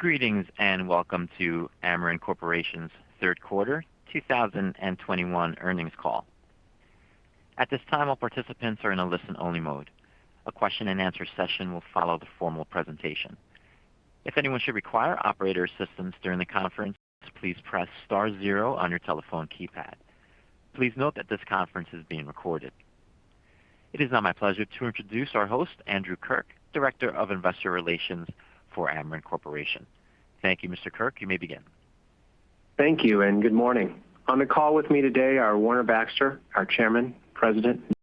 Greetings, and welcome to Ameren Corporation's third quarter 2021 earnings call. At this time, all participants are in a listen-only mode. A question-and-answer session will follow the formal presentation. If anyone should require operator assistance during the conference, please press star zero on your telephone keypad. Please note that this conference is being recorded. It is now my pleasure to introduce our host, Andrew Kirk, Director of Investor Relations for Ameren Corporation. Thank you, Mr. Kirk. You may begin. Thank you, and good morning. On the call with me today are Warner Baxter, our Chairman, President, and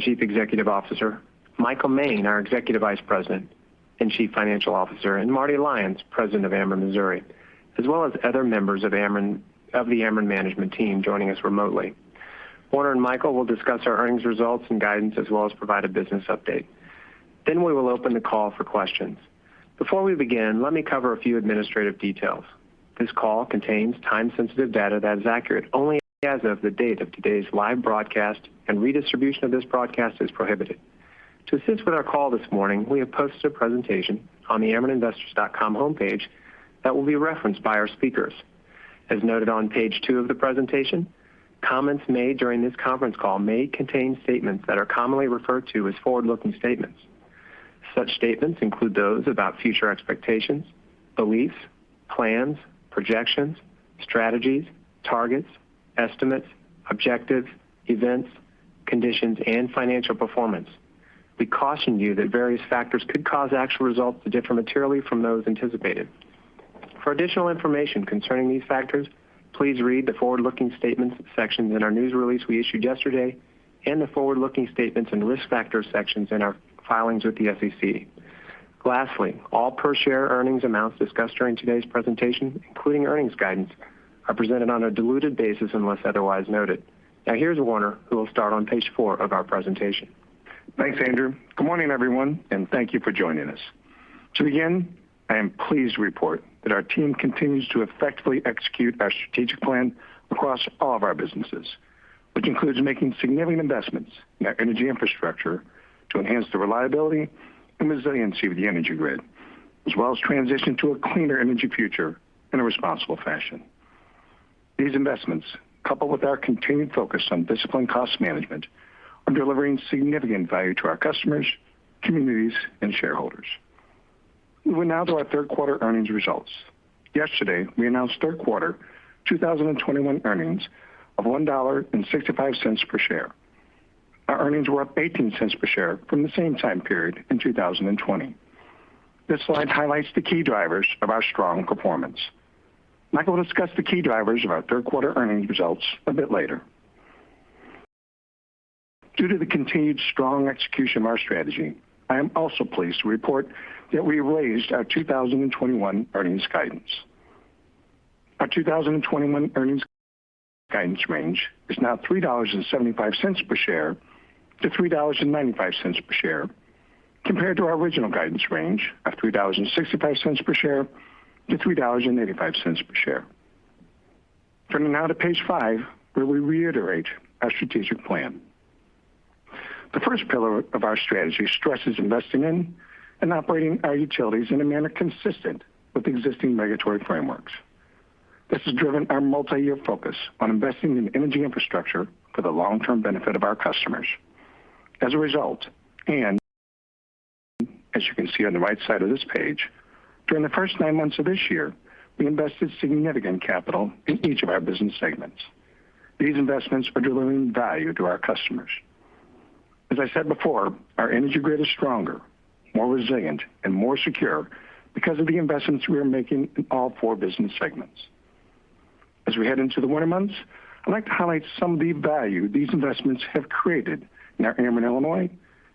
Chief Executive Officer, Michael Moehn, our Executive Vice President and Chief Financial Officer, and Marty Lyons, President of Ameren Missouri, as well as other members of the Ameren management team joining us remotely. Warner and Michael will discuss our earnings results and guidance, as well as provide a business update. Then we will open the call for questions. Before we begin, let me cover a few administrative details. This call contains time-sensitive data that is accurate only as of the date of today's live broadcast, and redistribution of this broadcast is prohibited. To assist with our call this morning, we have posted a presentation on the amereninvestors.com homepage that will be referenced by our speakers. As noted on page two of the presentation, comments made during this conference call may contain statements that are commonly referred to as forward-looking statements. Such statements include those about future expectations, beliefs, plans, projections, strategies, targets, estimates, objectives, events, conditions, and financial performance. We caution you that various factors could cause actual results to differ materially from those anticipated. For additional information concerning these factors, please read the Forward-Looking Statements section in our news release we issued yesterday and the Forward-Looking Statements and Risk Factors sections in our filings with the SEC. Lastly, all per-share earnings amounts discussed during today's presentation, including earnings guidance, are presented on a diluted basis unless otherwise noted. Now, here's Warner, who will start on page four of our presentation. Thanks, Andrew. Good morning, everyone, and thank you for joining us. To begin, I am pleased to report that our team continues to effectively execute our strategic plan across all of our businesses, which includes making significant investments in our energy infrastructure to enhance the reliability and resiliency of the energy grid, as well as transition to a cleaner energy future in a responsible fashion. These investments, coupled with our continued focus on disciplined cost management, are delivering significant value to our customers, communities, and shareholders. Moving now to our third quarter earnings results. Yesterday, we announced third quarter 2021 earnings of $1.65 per share. Our earnings were up 18 cents per share from the same time period in 2020. This slide highlights the key drivers of our strong performance. Michael will discuss the key drivers of our third quarter earnings results a bit later. Due to the continued strong execution of our strategy, I am also pleased to report that we raised our 2021 earnings guidance. Our 2021 earnings guidance range is now $3.75 per share-$3.95 per share, compared to our original guidance range of $3.65 per share-$3.85 per share. Turning now to page five, where we reiterate our strategic plan. The first pillar of our strategy stresses investing in and operating our utilities in a manner consistent with existing regulatory frameworks. This has driven our multi-year focus on investing in energy infrastructure for the long-term benefit of our customers. As a result, and as you can see on the right side of this page, during the first nine months of this year, we invested significant capital in each of our business segments. These investments are delivering value to our customers. As I said before, our energy grid is stronger, more resilient, and more secure because of the investments we are making in all four business segments. As we head into the winter months, I'd like to highlight some of the value these investments have created in our Ameren Illinois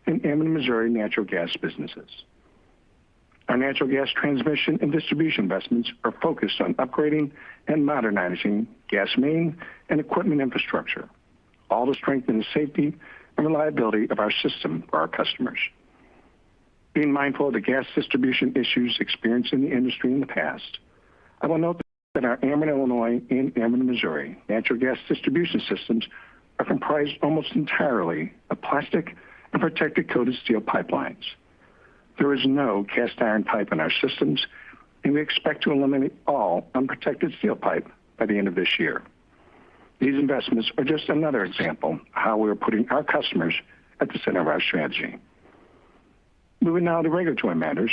and Ameren Missouri Natural Gas businesses. Our natural gas transmission and distribution investments are focused on upgrading and modernizing gas main and equipment infrastructure, all to strengthen the safety and reliability of our system for our customers. Being mindful of the gas distribution issues experienced in the industry in the past, I will note that our Ameren Illinois and Ameren Missouri natural gas distribution systems are comprised almost entirely of plastic and protected coated steel pipelines. There is no cast iron pipe in our systems, and we expect to eliminate all unprotected steel pipe by the end of this year. These investments are just another example how we are putting our customers at the center of our strategy. Moving now to regulatory matters.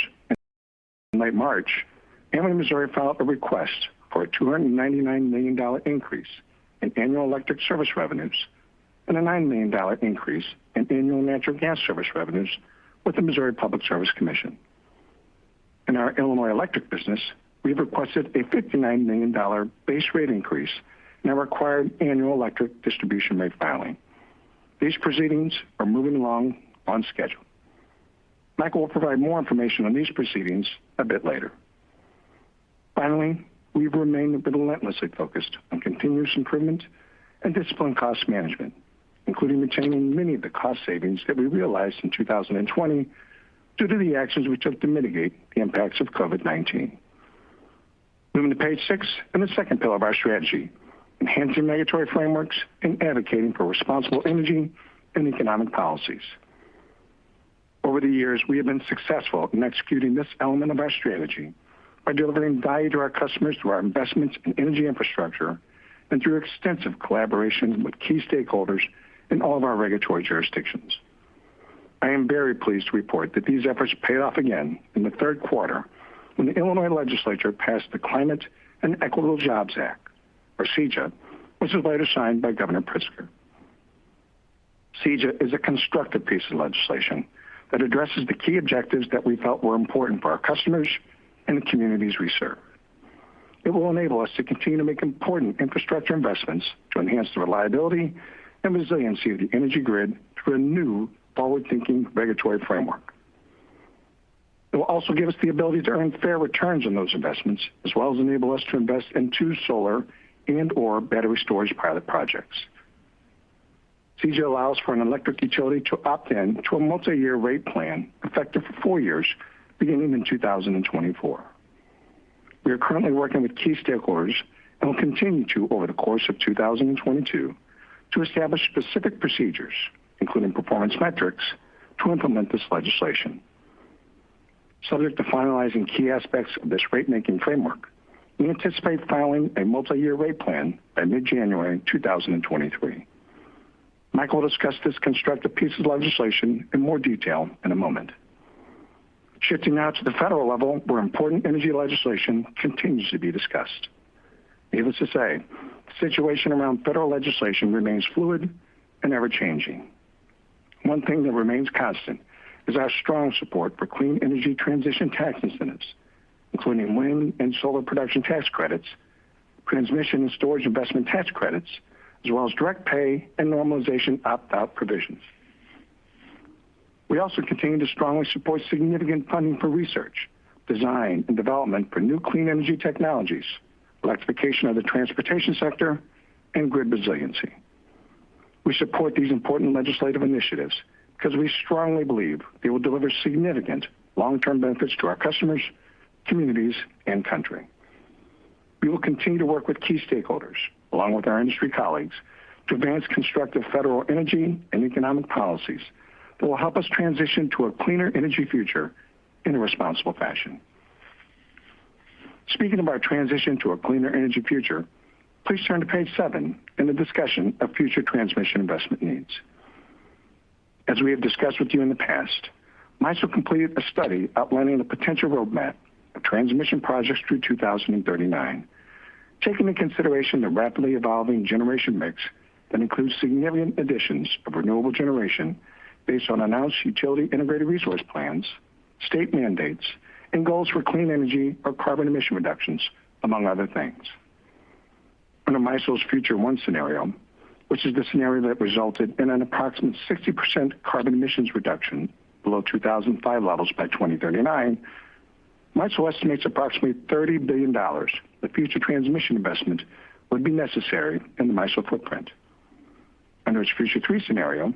In late March, Ameren Missouri filed a request for a $299 million increase in annual electric service revenues and a $9 million increase in annual natural gas service revenues with the Missouri Public Service Commission. In our Illinois Electric business, we have requested a $59 million base rate increase in our required annual electric distribution rate filing. These proceedings are moving along on schedule. Michael will provide more information on these proceedings a bit later. Finally, we have remained relentlessly focused on continuous improvement and disciplined cost management, including retaining many of the cost savings that we realized in 2020 due to the actions we took to mitigate the impacts of COVID-19. Moving to page six and the second pillar of our strategy, enhancing regulatory frameworks and advocating for responsible energy and economic policies. Over the years, we have been successful in executing this element of our strategy by delivering value to our customers through our investments in energy infrastructure and through extensive collaboration with key stakeholders in all of our regulatory jurisdictions. I am very pleased to report that these efforts paid off again in the third quarter when the Illinois Legislature passed the Climate and Equitable Jobs Act, or CEJA, which was later signed by Governor Pritzker. CEJA is a constructive piece of legislation that addresses the key objectives that we felt were important for our customers and the communities we serve. It will enable us to continue to make important infrastructure investments to enhance the reliability and resiliency of the energy grid through a new forward-thinking regulatory framework. It will also give us the ability to earn fair returns on those investments, as well as enable us to invest in two solar and/or battery storage pilot projects. CEJA allows for an electric utility to opt in to a multiyear rate plan effective for four years, beginning in 2024. We are currently working with key stakeholders and will continue to over the course of 2022 to establish specific procedures, including performance metrics, to implement this legislation. Subject to finalizing key aspects of this rate-making framework, we anticipate filing a multiyear rate plan by mid-January 2023. Michael will discuss this constructive piece of legislation in more detail in a moment. Shifting now to the federal level, where important energy legislation continues to be discussed. Needless to say, the situation around federal legislation remains fluid and ever-changing. One thing that remains constant is our strong support for clean energy transition tax incentives, including wind and solar production tax credits, transmission and storage investment tax credits, as well as direct pay and normalization opt-out provisions. We also continue to strongly support significant funding for research, design, and development for new clean energy technologies, electrification of the transportation sector, and grid resiliency. We support these important legislative initiatives because we strongly believe they will deliver significant long-term benefits to our customers, communities, and country. We will continue to work with key stakeholders, along with our industry colleagues, to advance constructive federal energy and economic policies that will help us transition to a cleaner energy future in a responsible fashion. Speaking of our transition to a cleaner energy future, please turn to page seven and the discussion of future transmission investment needs. As we have discussed with you in the past, MISO completed a study outlining the potential roadmap of transmission projects through 2039, taking into consideration the rapidly evolving generation mix that includes significant additions of renewable generation based on announced utility integrated resource plans, state mandates, and goals for clean energy or carbon emission reductions, among other things. Under MISO's Future one scenario, which is the scenario that resulted in an approximate 60% carbon emissions reduction below 2005 levels by 2039, MISO estimates approximately $30 billion of future transmission investment would be necessary in the MISO footprint. Under its Future three scenario,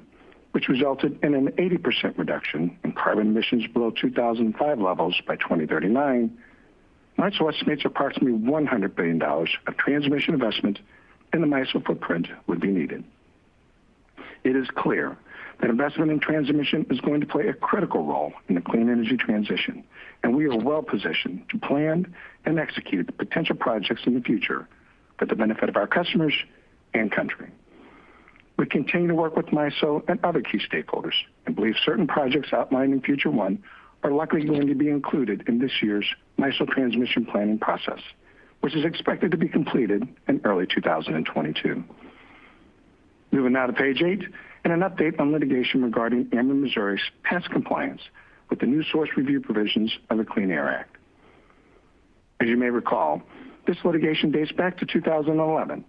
which resulted in an 80% reduction in carbon emissions below 2005 levels by 2039, MISO estimates approximately $100 billion of transmission investment in the MISO footprint would be needed. It is clear that investment in transmission is going to play a critical role in the clean energy transition, and we are well positioned to plan and execute the potential projects in the future for the benefit of our customers and country. We continue to work with MISO and other key stakeholders and believe certain projects outlined in Future one are likely going to be included in this year's MISO transmission planning process, which is expected to be completed in early 2022. Moving now to page eight and an update on litigation regarding Ameren Missouri's past compliance with the New Source Review provisions of the Clean Air Act. As you may recall, this litigation dates back to 2011,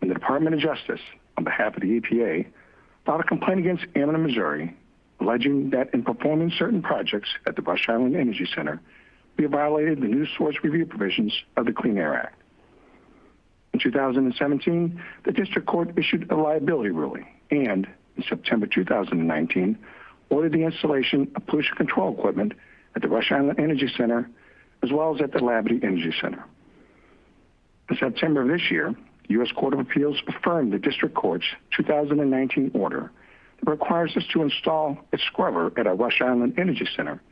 when the Department of Justice, on behalf of the EPA, filed a complaint against Ameren Missouri alleging that in performing certain projects at the Rush Island Energy Center, we had violated the New Source Review provisions of the Clean Air Act. In 2017, the district court issued a liability ruling and, in September 2019, ordered the installation of pollution control equipment at the Rush Island Energy Center as well as at the Labadie Energy Center. In September of this year, the U.S. Court of Appeals affirmed the district court's 2019 order that requires us to install a scrubber at our Rush Island Energy Center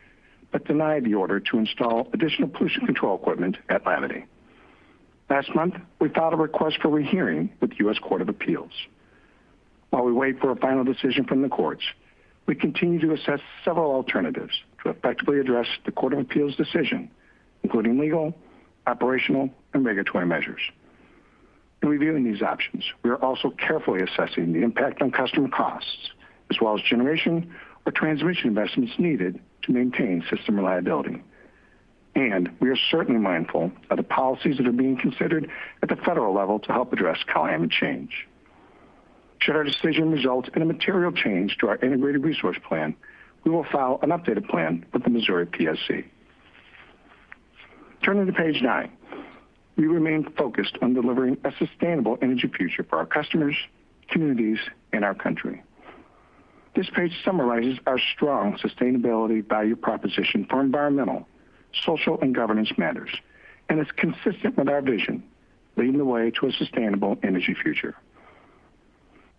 but denied the order to install additional pollution control equipment at Labadie. Last month, we filed a request for rehearing with the U.S. Court of Appeals. While we wait for a final decision from the courts, we continue to assess several alternatives to effectively address the Court of Appeals' decision, including legal, operational, and regulatory measures. In reviewing these options, we are also carefully assessing the impact on customer costs as well as generation or transmission investments needed to maintain system reliability. We are certainly mindful of the policies that are being considered at the federal level to help address climate change. Should our decision result in a material change to our integrated resource plan, we will file an updated plan with the Missouri PSC. Turning to page nine. We remain focused on delivering a sustainable energy future for our customers, communities, and our country. This page summarizes our strong sustainability value proposition for environmental, social, and governance matters, and it's consistent with our vision, leading the way to a sustainable energy future.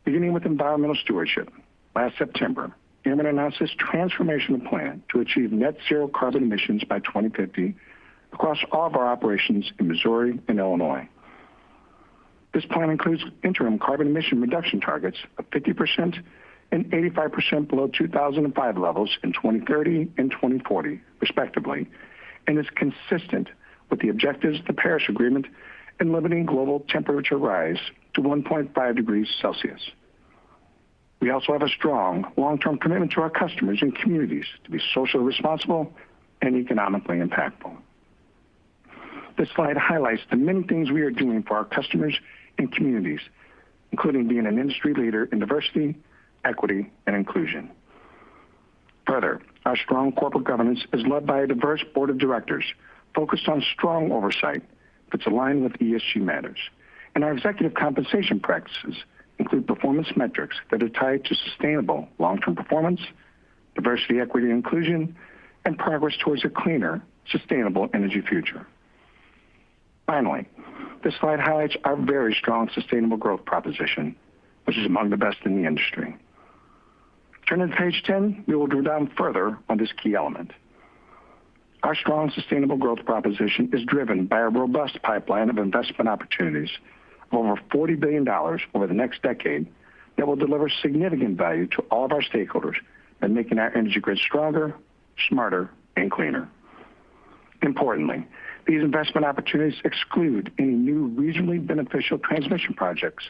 Beginning with environmental stewardship, last September, Ameren announced this transformational plan to achieve net zero carbon emissions by 2050 across all of our operations in Missouri and Illinois. This plan includes interim carbon emission reduction targets of 50% and 85% below 2005 levels in 2030 and 2040, respectively, and is consistent with the objectives of the Paris Agreement in limiting global temperature rise to 1.5 degrees Celsius. We also have a strong long-term commitment to our customers and communities to be socially responsible and economically impactful. This slide highlights the many things we are doing for our customers and communities, including being an industry leader in diversity, equity, and inclusion. Further, our strong corporate governance is led by a diverse board of directors focused on strong oversight that's aligned with ESG matters. Our executive compensation practices include performance metrics that are tied to sustainable long-term performance, diversity, equity, and inclusion, and progress towards a cleaner, sustainable energy future. Finally, this slide highlights our very strong sustainable growth proposition, which is among the best in the industry. Turning to page 10, we will drill down further on this key element. Our strong sustainable growth proposition is driven by a robust pipeline of investment opportunities of over $40 billion over the next decade that will deliver significant value to all of our stakeholders in making our energy grid stronger, smarter, and cleaner. Importantly, these investment opportunities exclude any new regionally beneficial transmission projects,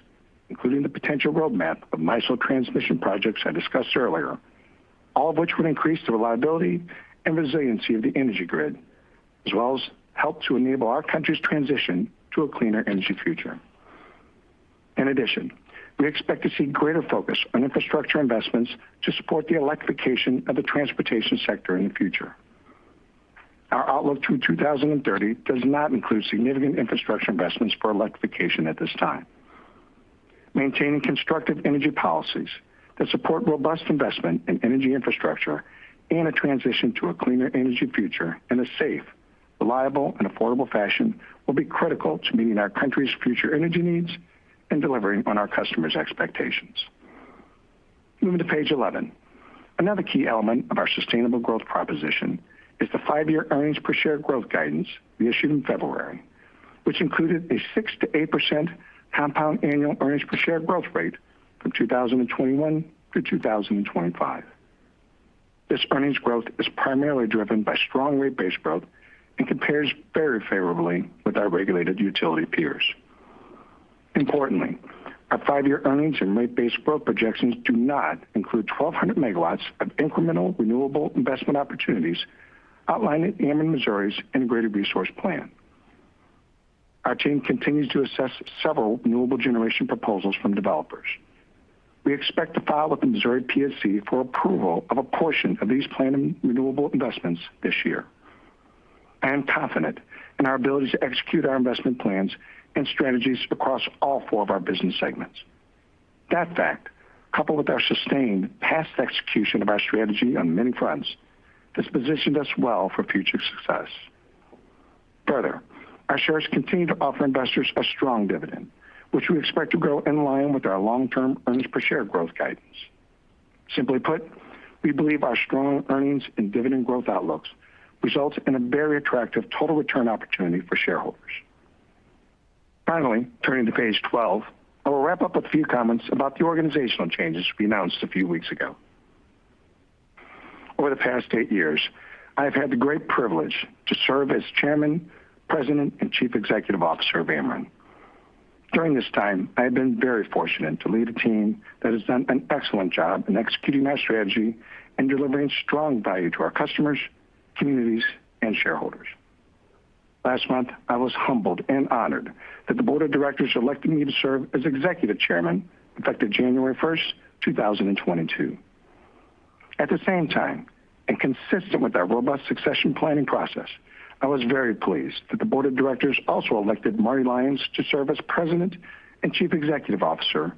including the potential roadmap of MISO transmission projects I discussed earlier. All of which would increase the reliability and resiliency of the energy grid, as well as help to enable our country's transition to a cleaner energy future. In addition, we expect to see greater focus on infrastructure investments to support the electrification of the transportation sector in the future. Our outlook through 2030 does not include significant infrastructure investments for electrification at this time. Maintaining constructive energy policies that support robust investment in energy infrastructure and a transition to a cleaner energy future in a safe, reliable, and affordable fashion will be critical to meeting our country's future energy needs and delivering on our customers' expectations. Moving to page 11. Another key element of our sustainable growth proposition is the five-year earnings per share growth guidance we issued in February, which included a 6%-8% compound annual earnings per share growth rate from 2021 through 2025. This earnings growth is primarily driven by strong rate base growth and compares very favorably with our regulated utility peers. Importantly, our five-year earnings and rate base growth projections do not include 1,200 MW of incremental renewable investment opportunities outlined in Ameren Missouri's integrated resource plan. Our team continues to assess several renewable generation proposals from developers. We expect to file with the Missouri PSC for approval of a portion of these planned renewable investments this year. I am confident in our ability to execute our investment plans and strategies across all four of our business segments. That fact, coupled with our sustained past execution of our strategy on many fronts, has positioned us well for future success. Further, our shares continue to offer investors a strong dividend, which we expect to grow in line with our long-term earnings per share growth guidance. Simply put, we believe our strong earnings and dividend growth outlooks result in a very attractive total return opportunity for shareholders. Finally, turning to page 12, I will wrap up with a few comments about the organizational changes we announced a few weeks ago. Over the past eight years, I have had the great privilege to serve as Chairman, President, and Chief Executive Officer of Ameren. During this time, I have been very fortunate to lead a team that has done an excellent job in executing our strategy and delivering strong value to our customers, communities, and shareholders. Last month, I was humbled and honored that the board of directors elected me to serve as Executive Chairman, effective January 1, 2022. At the same time, and consistent with our robust succession planning process, I was very pleased that the board of directors also elected Marty Lyons to serve as President and Chief Executive Officer,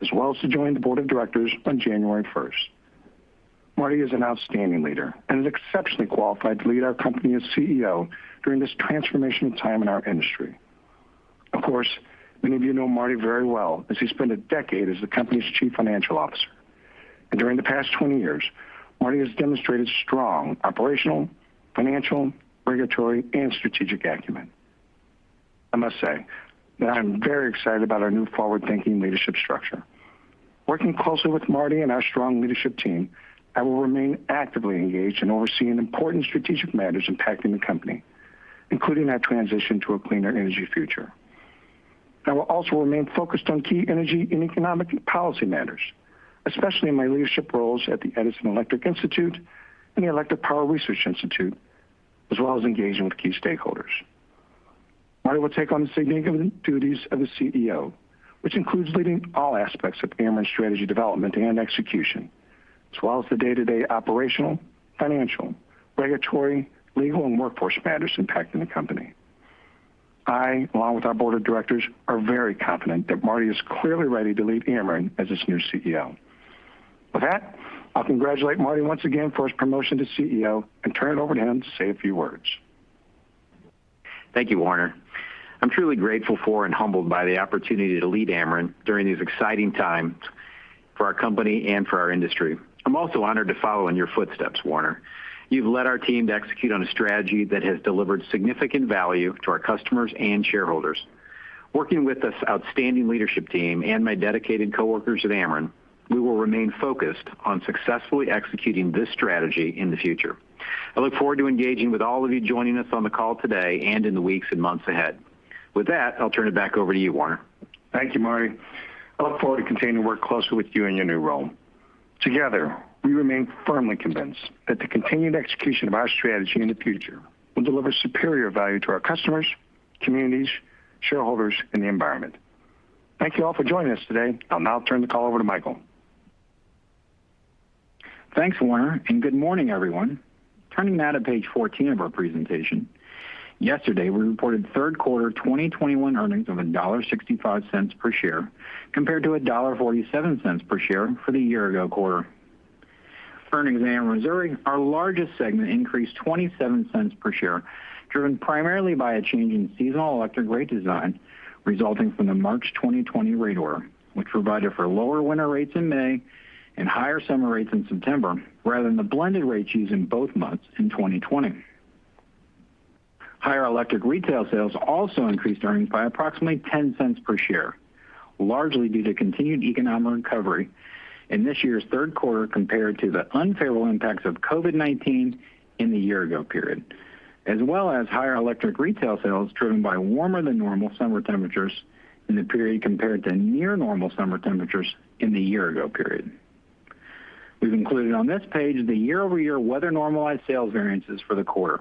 as well as to join the board of directors on January 1. Marty is an outstanding leader and is exceptionally qualified to lead our company as CEO during this transformational time in our industry. Of course, many of you know Marty very well as he spent a decade as the company's Chief Financial Officer. During the past 20 years, Marty has demonstrated strong operational, financial, regulatory, and strategic acumen. I must say that I'm very excited about our new forward-thinking leadership structure. Working closely with Marty and our strong leadership team, I will remain actively engaged in overseeing important strategic matters impacting the company, including our transition to a cleaner energy future. I will also remain focused on key energy and economic policy matters, especially in my leadership roles at the Edison Electric Institute and the Electric Power Research Institute, as well as engaging with key stakeholders. Marty will take on the significant duties of the CEO, which includes leading all aspects of Ameren's strategy development and execution, as well as the day-to-day operational, financial, regulatory, legal, and workforce matters impacting the company. I, along with our board of directors, are very confident that Marty is clearly ready to lead Ameren as its new CEO. With that, I'll congratulate Marty once again for his promotion to CEO and turn it over to him to say a few words. Thank you, Warner. I'm truly grateful for and humbled by the opportunity to lead Ameren during these exciting times for our company and for our industry. I'm also honored to follow in your footsteps, Warner. You've led our team to execute on a strategy that has delivered significant value to our customers and shareholders. Working with this outstanding leadership team and my dedicated coworkers at Ameren, we will remain focused on successfully executing this strategy in the future. I look forward to engaging with all of you joining us on the call today and in the weeks and months ahead. With that, I'll turn it back over to you, Warner. Thank you, Marty. I look forward to continuing to work closely with you in your new role. Together, we remain firmly convinced that the continued execution of our strategy in the future will deliver superior value to our customers, communities, shareholders, and the environment. Thank you all for joining us today. I'll now turn the call over to Michael. Thanks, Warner, and good morning, everyone. Turning now to page 14 of our presentation. Yesterday, we reported third quarter 2021 earnings of $1.65 per share compared to $1.47 per share for the year ago quarter. Earnings in Ameren Missouri, our largest segment, increased $0.27 per share, driven primarily by a change in seasonal electric rate design resulting from the March 2020 rate order, which provided for lower winter rates in May and higher summer rates in September rather than the blended rates used in both months in 2020. Higher electric retail sales also increased earnings by approximately $0.10 per share, largely due to continued economic recovery in this year's third quarter compared to the unfavorable impacts of COVID-19 in the year ago period. Higher electric retail sales driven by warmer than normal summer temperatures in the period compared to near normal summer temperatures in the year ago period. We've included on this page the year-over-year weather normalized sales variances for the quarter.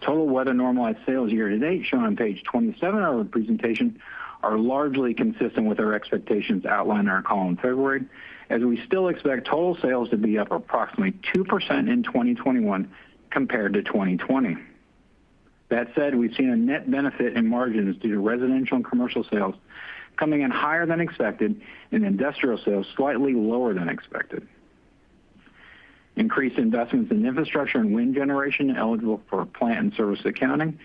Total weather normalized sales year-to-date shown on page 27 of the presentation are largely consistent with our expectations outlined in our call in February, as we still expect total sales to be up approximately 2% in 2021 compared to 2020. That said, we've seen a net benefit in margins due to residential and commercial sales coming in higher than expected and industrial sales slightly lower than expected. Increased investments in infrastructure and wind generation eligible for plant-in-service accounting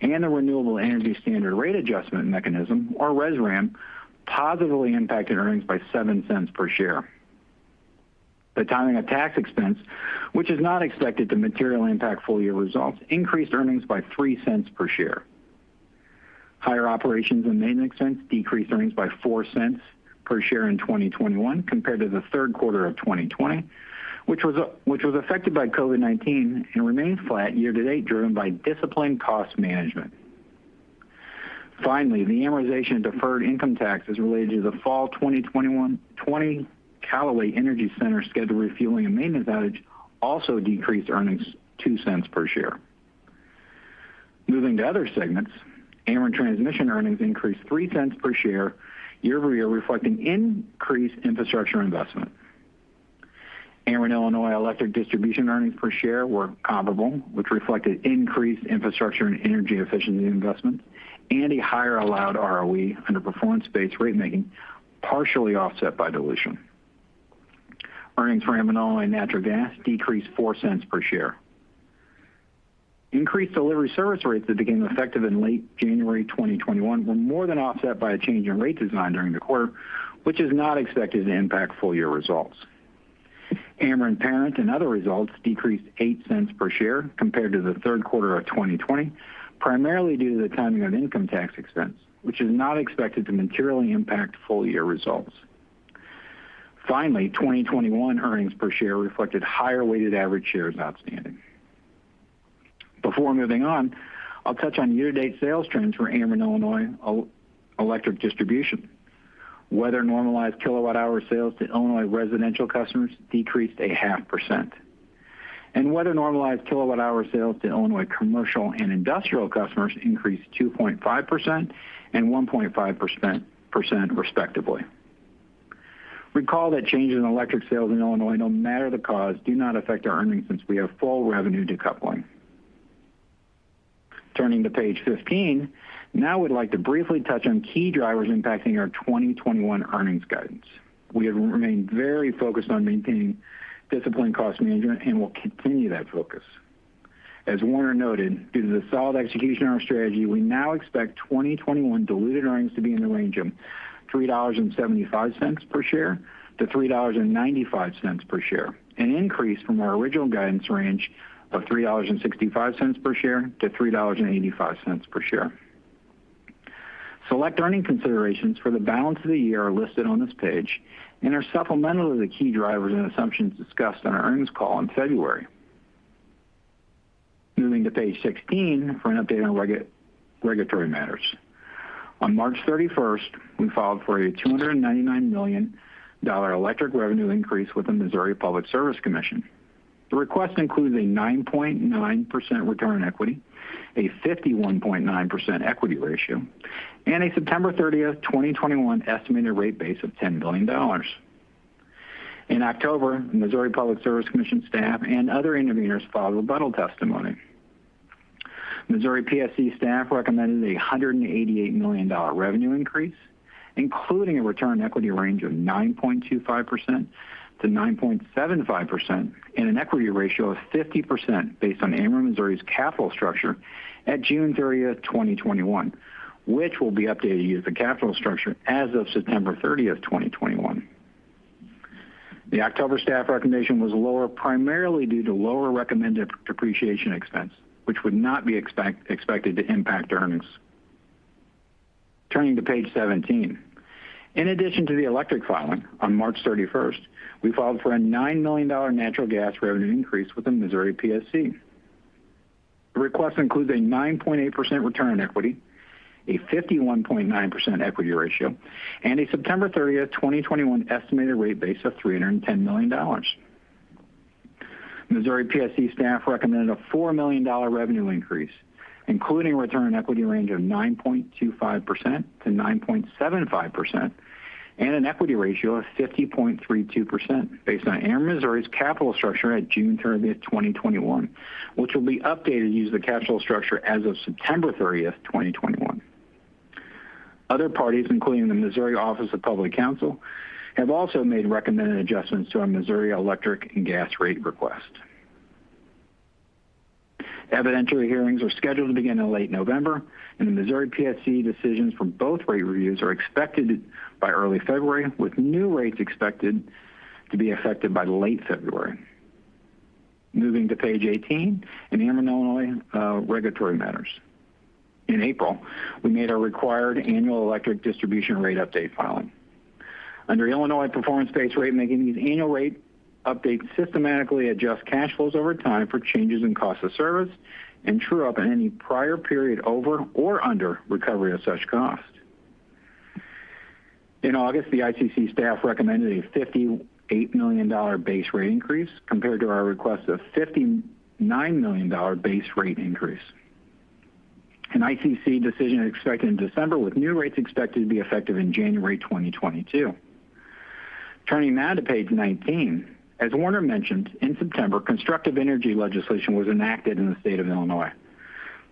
and a renewable energy standard rate adjustment mechanism, or RESRAM, positively impacted earnings by $0.07 per share. The timing of tax expense, which is not expected to materially impact full year results, increased earnings by 3 cents per share. Higher operations and maintenance expense decreased earnings by 4 cents per share in 2021 compared to the third quarter of 2020, which was affected by COVID-19 and remains flat year-to-date, driven by disciplined cost management. Finally, the amortization of deferred income taxes related to the Fall 2021-22 Callaway Energy Center scheduled refueling and maintenance outage also decreased earnings 2 cents per share. Moving to other segments. Ameren Transmission earnings increased 3 cents per share year-over-year, reflecting increased infrastructure investment. Ameren Illinois Electric Distribution earnings per share were comparable, which reflected increased infrastructure and energy efficiency investments and a higher allowed ROE under performance-based rate making, partially offset by dilution. Earnings for Ameren Illinois Natural Gas decreased 4 cents per share. Increased delivery service rates that became effective in late January 2021 were more than offset by a change in rate design during the quarter, which is not expected to impact full year results. Ameren Parent and other results decreased $0.08 per share compared to the third quarter of 2020, primarily due to the timing of income tax expense, which is not expected to materially impact full year results. Finally, 2021 earnings per share reflected higher weighted average shares outstanding. Before moving on, I'll touch on year-to-date sales trends for Ameren Illinois Electric Distribution. Weather normalized kilowatt-hour sales to Illinois residential customers decreased 0.5%. Weather normalized kilowatt-hour sales to Illinois commercial and industrial customers increased 2.5% and 1.5% respectively. Recall that changes in electric sales in Illinois, no matter the cause, do not affect our earnings since we have full revenue decoupling. Turning to page 15. Now, we'd like to briefly touch on key drivers impacting our 2021 earnings guidance. We have remained very focused on maintaining disciplined cost management and will continue that focus. As Warner noted, due to the solid execution of our strategy, we now expect 2021 diluted earnings to be in the range of $3.75 per share to $3.95 per share, an increase from our original guidance range of $3.65 per share to $3.85 per share. Select earnings considerations for the balance of the year are listed on this page and are supplemental to the key drivers and assumptions discussed on our earnings call in February. Moving to page 16 for an update on regulatory matters. On March 31, we filed for a $299 million electric revenue increase with the Missouri Public Service Commission. The request includes a 9.9% return on equity, a 51.9% equity ratio, and a September 30, 2021 estimated rate base of $10 billion. In October, Missouri Public Service Commission staff and other interveners filed rebuttal testimony. Missouri PSC staff recommended a $188 million revenue increase, including a return on equity range of 9.25%-9.75% and an equity ratio of 50% based on Ameren Missouri's capital structure at June 30, 2021, which will be updated to use the capital structure as of September 30, 2021. The October staff recommendation was lower primarily due to lower recommended depreciation expense, which would not be expected to impact earnings. Turning to page 17. In addition to the electric filing on March 31, we filed for a $9 million natural gas revenue increase with the Missouri PSC. The request includes a 9.8% return on equity, a 51.9% equity ratio, and a September 30, 2021 estimated rate base of $310 million. Missouri PSC staff recommended a $4 million revenue increase, including a return on equity range of 9.25%-9.75% and an equity ratio of 50.32% based on Ameren Missouri's capital structure at June 30, 2021, which will be updated to use the capital structure as of September 30, 2021. Other parties, including the Missouri Office of the Public Counsel, have also made recommended adjustments to our Missouri electric and gas rate request. Evidentiary hearings are scheduled to begin in late November, and the Missouri PSC decisions from both rate reviews are expected by early February, with new rates expected to be effective by late February. Moving to page 18. In Ameren Illinois, regulatory matters. In April, we made our required annual electric distribution rate update filing. Under Illinois performance-based rate making, these annual rate updates systematically adjust cash flows over time for changes in cost of service and true up any prior period over or under recovery of such costs. In August, the ICC staff recommended a $58 million base rate increase compared to our request of $59 million base rate increase. An ICC decision is expected in December, with new rates expected to be effective in January 2022. Turning now to page 19. As Warner mentioned, in September, constructive energy legislation was enacted in the state of Illinois.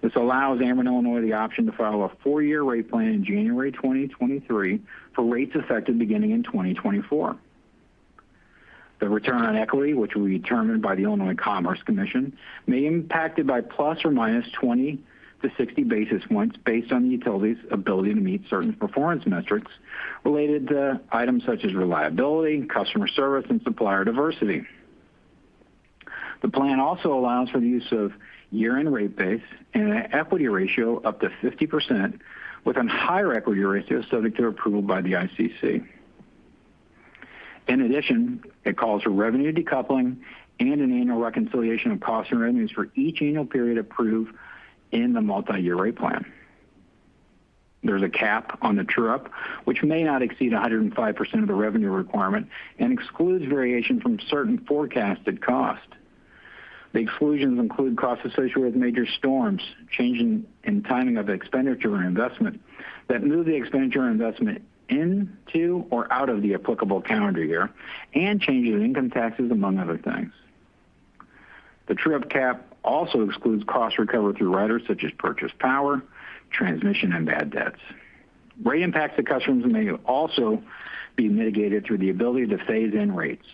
This allows Ameren Illinois the option to file a four year rate plan in January 2023 for rates effective beginning in 2024. The return on equity, which will be determined by the Illinois Commerce Commission, may be impacted by ±20-60 basis points based on the utility's ability to meet certain performance metrics related to items such as reliability, customer service, and supplier diversity. The plan also allows for the use of year-end rate base and an equity ratio up to 50%, with a higher equity ratio subject to approval by the ICC. In addition, it calls for revenue decoupling and an annual reconciliation of costs and revenues for each annual period approved in the multi-year rate plan. There's a cap on the true-up, which may not exceed 105% of the revenue requirement and excludes variation from certain forecasted costs. The exclusions include costs associated with major storms, changing in timing of expenditure or investment that move the expenditure or investment into or out of the applicable calendar year, and changes in income taxes, among other things. The true-up cap also excludes costs recovered through riders such as purchased power, transmission, and bad debts. Rate impacts to customers may also be mitigated through the ability to phase in rates.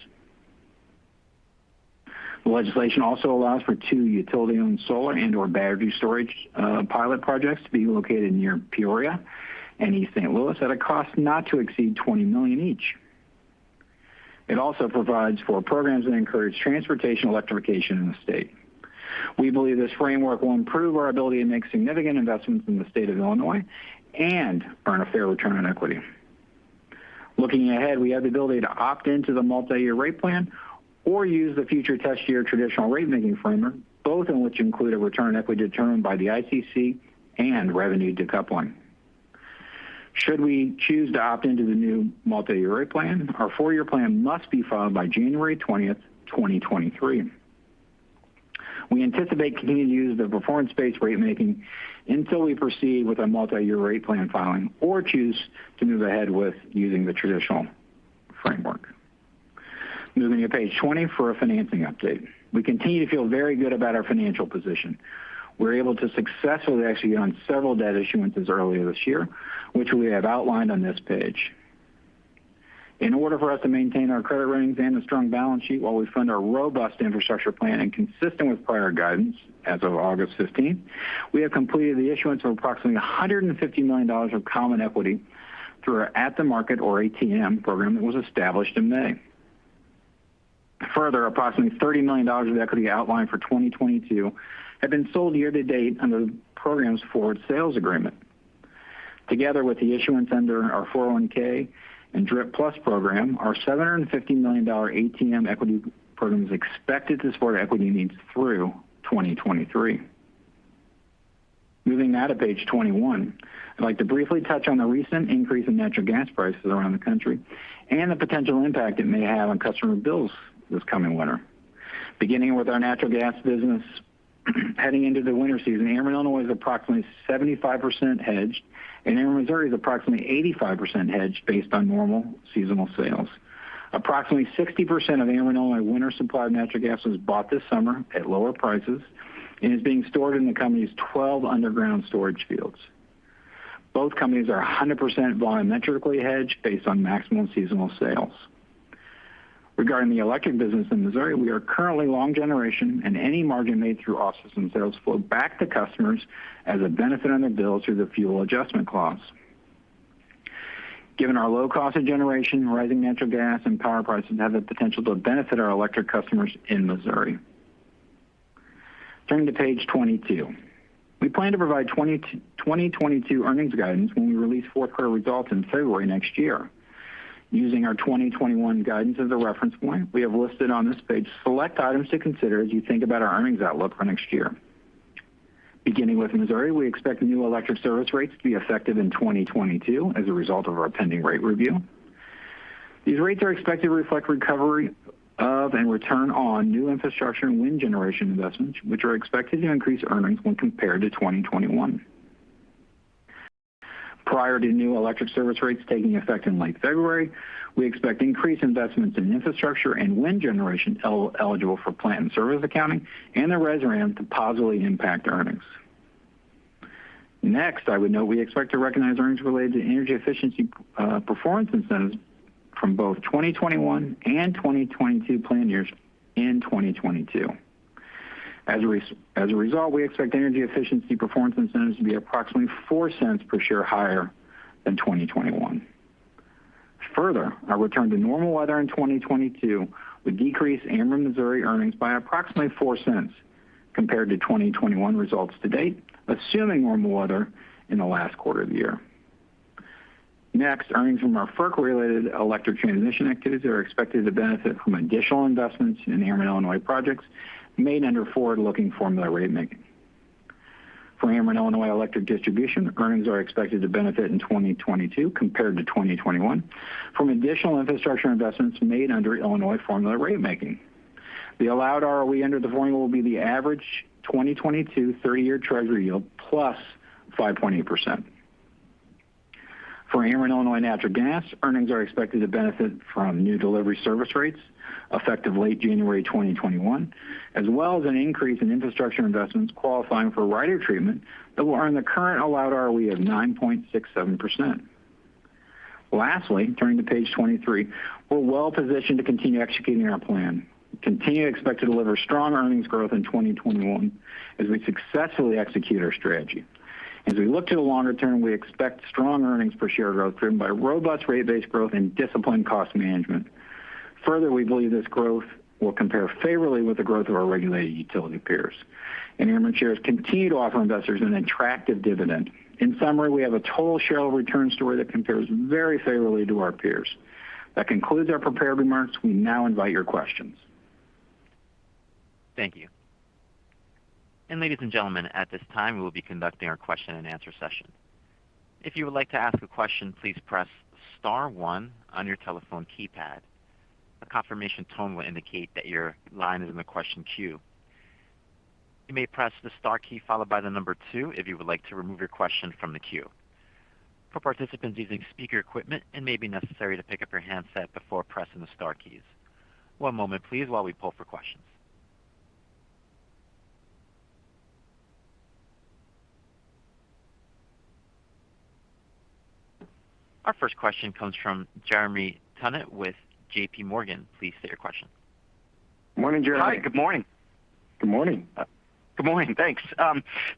The legislation also allows for two utility-owned solar and/or battery storage pilot projects to be located near Peoria and East St. Louis. Louis at a cost not to exceed $20 million each. It also provides for programs that encourage transportation electrification in the state. We believe this framework will improve our ability to make significant investments in the state of Illinois and earn a fair return on equity. Looking ahead, we have the ability to opt into the multi-year rate plan or use the future test year traditional rate making framework, both in which include a return on equity determined by the ICC and revenue decoupling. Should we choose to opt into the new multi-year rate plan, our four-year plan must be filed by January 20, 2023. We anticipate continuing to use the performance-based rate making until we proceed with a multi-year rate plan filing or choose to move ahead with using the traditional framework. Moving to page 20 for a financing update. We continue to feel very good about our financial position. We're able to successfully execute on several debt issuances earlier this year, which we have outlined on this page. In order for us to maintain our credit ratings and a strong balance sheet while we fund our robust infrastructure plan and consistent with prior guidance as of August 15, we have completed the issuance of approximately $150 million of common equity through our at-the-market or ATM program that was established in May. Further, approximately $30 million of equity outlined for 2022 have been sold year to date under the program's forward sales agreement. Together with the issuance under our 401(k) and DRPlus program, our $750 million ATM equity program is expected to support equity needs through 2023. Moving now to page 21. I'd like to briefly touch on the recent increase in natural gas prices around the country and the potential impact it may have on customer bills this coming winter. Beginning with our natural gas business. Heading into the winter season, Ameren Illinois is approximately 75% hedged, and Ameren Missouri is approximately 85% hedged based on normal seasonal sales. Approximately 60% of Ameren Illinois winter supply of natural gas was bought this summer at lower prices and is being stored in the company's 12 underground storage fields. Both companies are 100% volumetrically hedged based on maximum seasonal sales. Regarding the electric business in Missouri, we are currently long generation, and any margin made through off-system sales flow back to customers as a benefit on their bill through the Fuel Adjustment Clause. Given our low cost of generation, rising natural gas and power prices have the potential to benefit our electric customers in Missouri. Turning to page 22. We plan to provide 2022 earnings guidance when we release fourth quarter results in February next year. Using our 2021 guidance as a reference point, we have listed on this page select items to consider as you think about our earnings outlook for next year. Beginning with Missouri, we expect new electric service rates to be effective in 2022 as a result of our pending rate review. These rates are expected to reflect recovery of and return on new infrastructure and wind generation investments, which are expected to increase earnings when compared to 2021. Prior to new electric service rates taking effect in late February, we expect increased investments in infrastructure and wind generation eligible for plant-in-service accounting and the RESRAM to positively impact earnings. Next, I would note we expect to recognize earnings related to energy efficiency performance incentives from both 2021 and 2022 plan years in 2022. As a result, we expect energy efficiency performance incentives to be approximately $0.04 per share higher than 2021. Further, our return to normal weather in 2022 would decrease Ameren Missouri earnings by approximately $0.04 compared to 2021 results to date, assuming normal weather in the last quarter of the year. Next, earnings from our FERC-related electric transmission activities are expected to benefit from additional investments in Ameren Illinois projects made under forward-looking formula ratemaking. For Ameren Illinois Electric Distribution, earnings are expected to benefit in 2022 compared to 2021 from additional infrastructure investments made under Illinois formula ratemaking. The allowed ROE under the formula will be the average 2022 30-year Treasury yield +5.8%. For Ameren Illinois Natural Gas, earnings are expected to benefit from new delivery service rates effective late January 2021, as well as an increase in infrastructure investments qualifying for rider treatment that will earn the current allowed ROE of 9.67%. Lastly, turning to page 23, we're well positioned to continue executing our plan. We continue to expect to deliver strong earnings growth in 2021 as we successfully execute our strategy. As we look to the longer term, we expect strong earnings per share growth driven by robust rate-based growth and disciplined cost management. Further, we believe this growth will compare favorably with the growth of our regulated utility peers. Ameren shares continue to offer investors an attractive dividend. In summary, we have a total share return story that compares very favorably to our peers. That concludes our prepared remarks. We now invite your questions. Thank you. Ladies and gentlemen, at this time, we will be conducting our question-and-answer session. If you would like to ask a question, please press star one on your telephone keypad. A confirmation tone will indicate that your line is in the question queue. You may press the star key followed by the number two if you would like to remove your question from the queue. For participants using speaker equipment, it may be necessary to pick up your handset before pressing the star keys. One moment, please, while we pull for questions. Our first question comes from Jeremy Tonet with J.P. Morgan. Please state your question. Morning, Jeremy. Hi, good morning. Good morning. Good morning. Thanks.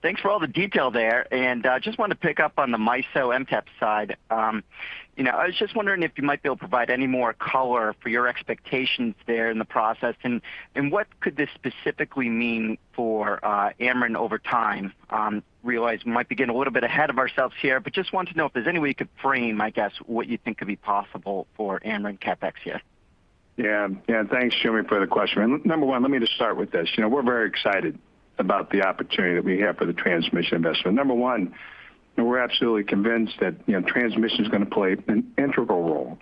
Thanks for all the detail there. Just want to pick up on the MISO MTEP side. You know, I was just wondering if you might be able to provide any more color for your expectations there in the process. What could this specifically mean for Ameren over time? Realize we might be getting a little bit ahead of ourselves here, but just wanted to know if there's any way you could frame, I guess, what you think could be possible for Ameren CapEx here. Yeah. Thanks, Jeremy, for the question. Number one, let me just start with this. You know, we're very excited about the opportunity that we have for the transmission investment. Number one, you know, we're absolutely convinced that, you know, transmission is going to play an integral role,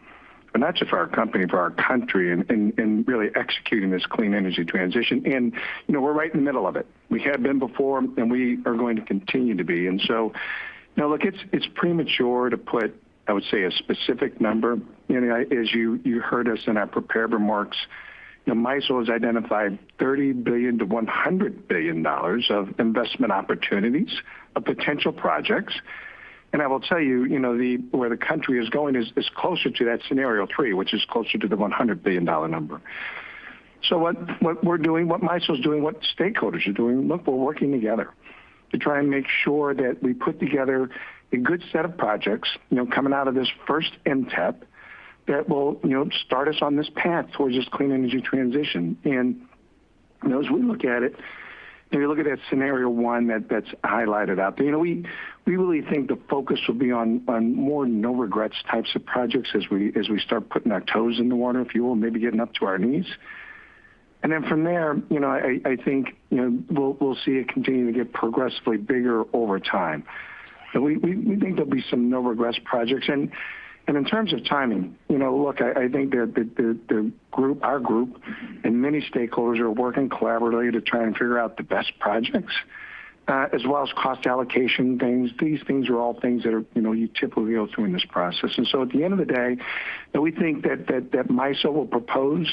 but not just for our company, for our country in really executing this clean energy transition. You know, we're right in the middle of it. We have been before, and we are going to continue to be. You know, look, it's premature to put, I would say, a specific number. You know, as you heard us in our prepared remarks, you know, MISO has identified $30 billion-$100 billion of investment opportunities of potential projects. I will tell you know, the where the country is going is closer to that scenario three, which is closer to the $100 billion number. What we're doing, what MISO is doing, what stakeholders are doing, look, we're working together to try and make sure that we put together a good set of projects, you know, coming out of this first MTEP that will, you know, start us on this path towards this clean energy transition. You know, as we look at it, and we look at that scenario one that's highlighted out there, you know, we really think the focus will be on more no regrets types of projects as we start putting our toes in the water, if you will, maybe getting up to our knees. From there, you know, I think, you know, we'll see it continue to get progressively bigger over time. We think there'll be some no regrets projects. In terms of timing, you know, look, I think the group, our group and many stakeholders are working collaboratively to try and figure out the best projects, as well as cost allocation things. These things are all things that are, you know, you typically go through in this process. At the end of the day, we think that MISO will propose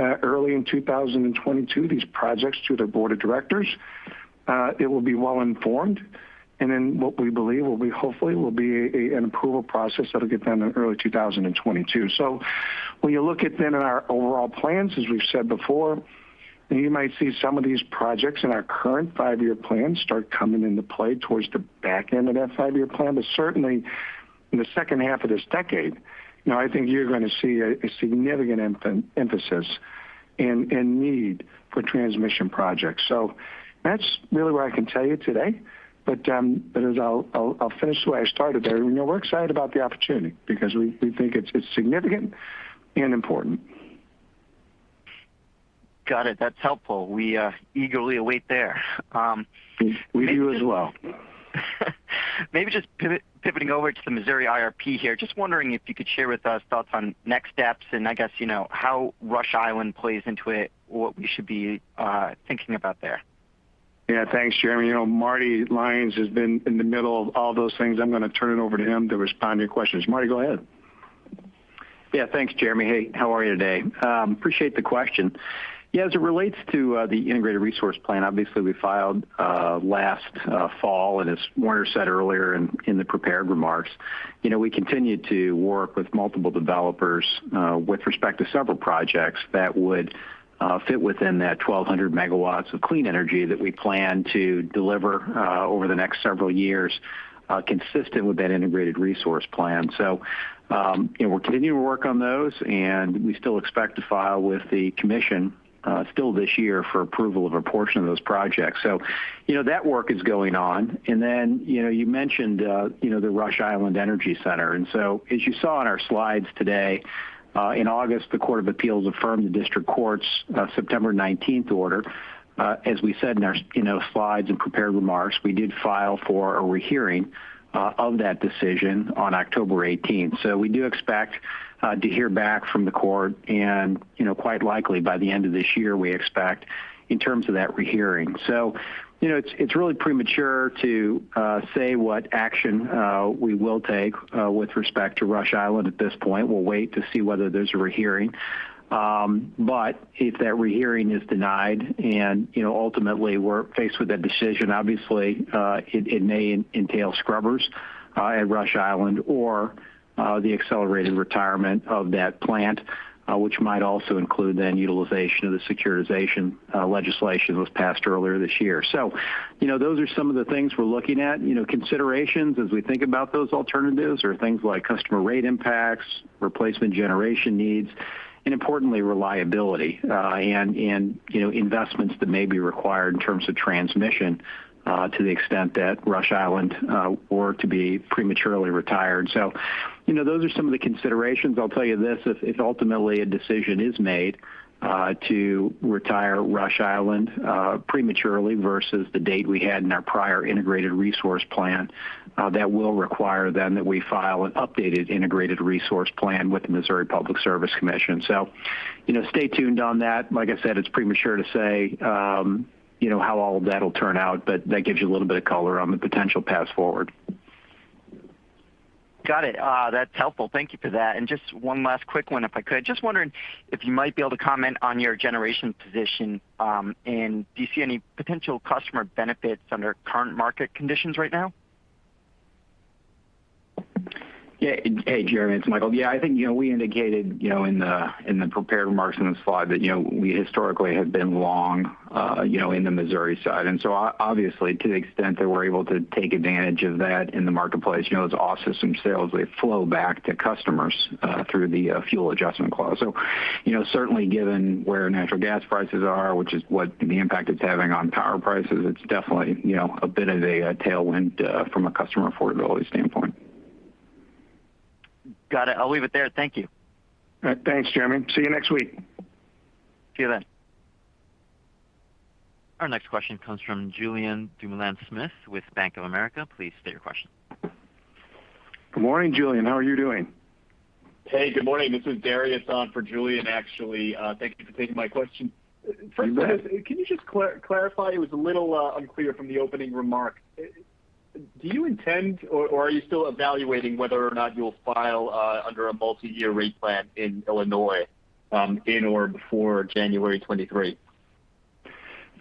early in 2022 these projects to their board of directors. It will be well-informed, and then what we believe will be hopefully an approval process that'll get done in early 2022. When you look at then in our overall plans, as we've said before, and you might see some of these projects in our current five-year plan start coming into play towards the back end of that five-year plan. Certainly in the second half of this decade, you know, I think you're going to see a significant emphasis and need for transmission projects. That's really what I can tell you today. As I'll finish the way I started there. You know, we're excited about the opportunity because we think it's significant and important. Got it. That's helpful. We eagerly await there. We do as well. Maybe just pivoting over to the Missouri IRP here. Just wondering if you could share with us thoughts on next steps and I guess, you know, how Rush Island plays into it, what we should be thinking about there. Yeah, thanks, Jeremy. You know, Marty Lyons has been in the middle of all those things. I'm gonna turn it over to him to respond to your questions. Marty, go ahead. Yeah. Thanks, Jeremy. Hey, how are you today? Appreciate the question. Yeah, as it relates to the integrated resource plan, obviously we filed last fall, and as Warner said earlier in the prepared remarks, you know, we continued to work with multiple developers with respect to several projects that would fit within that 1,200 MW of clean energy that we plan to deliver over the next several years consistent with that integrated resource plan. We're continuing to work on those, and we still expect to file with the commission still this year for approval of a portion of those projects. You know, that work is going on. You know, you mentioned you know, the Rush Island Energy Center. As you saw in our slides today, in August, the U.S. Court of Appeals affirmed the district court's September 19 order. As we said in our, you know, slides and prepared remarks, we did file for a rehearing of that decision on October 18. We do expect to hear back from the court and, you know, quite likely by the end of this year, we expect in terms of that rehearing. It's really premature to say what action we will take with respect to Rush Island at this point. We'll wait to see whether there's a rehearing. If that rehearing is denied and, you know, ultimately we're faced with that decision, obviously, it may entail scrubbers at Rush Island or the accelerated retirement of that plant, which might also include then utilization of the securitization legislation that was passed earlier this year. You know, those are some of the things we're looking at. You know, considerations as we think about those alternatives are things like customer rate impacts, replacement generation needs, and importantly, reliability, and you know, investments that may be required in terms of transmission to the extent that Rush Island were to be prematurely retired. You know, those are some of the considerations. I'll tell you this, if ultimately a decision is made to retire Rush Island prematurely versus the date we had in our prior integrated resource plan, that will require then that we file an updated integrated resource plan with the Missouri Public Service Commission. You know, stay tuned on that. Like I said, it's premature to say, you know, how all of that'll turn out, but that gives you a little bit of color on the potential paths forward. Got it. That's helpful. Thank you for that. Just one last quick one if I could. Just wondering if you might be able to comment on your generation position, and do you see any potential customer benefits under current market conditions right now? Yeah. Hey, Jeremy, it's Michael. Yeah, I think, you know, we indicated, you know, in the prepared remarks in the slide that, you know, we historically have been long, you know, in the Missouri side. Obviously, to the extent that we're able to take advantage of that in the marketplace, you know, those off-system sales would flow back to customers through the Fuel Adjustment Clause. You know, certainly given where natural gas prices are, which is what the impact it's having on power prices, it's definitely, you know, a bit of a tailwind from a customer affordability standpoint. Got it. I'll leave it there. Thank you. All right. Thanks, Jeremy. See you next week. See you then. Our next question comes from Julien Dumoulin-Smith with Bank of America. Please state your question. Good morning, Julien. How are you doing? Hey, good morning. This is Darius on for Julien, actually. Thank you for taking my question. You bet. First, can you just clarify? It was a little unclear from the opening remarks. Do you intend or are you still evaluating whether or not you'll file under a multi-year rate plan in Illinois in or before January 2023?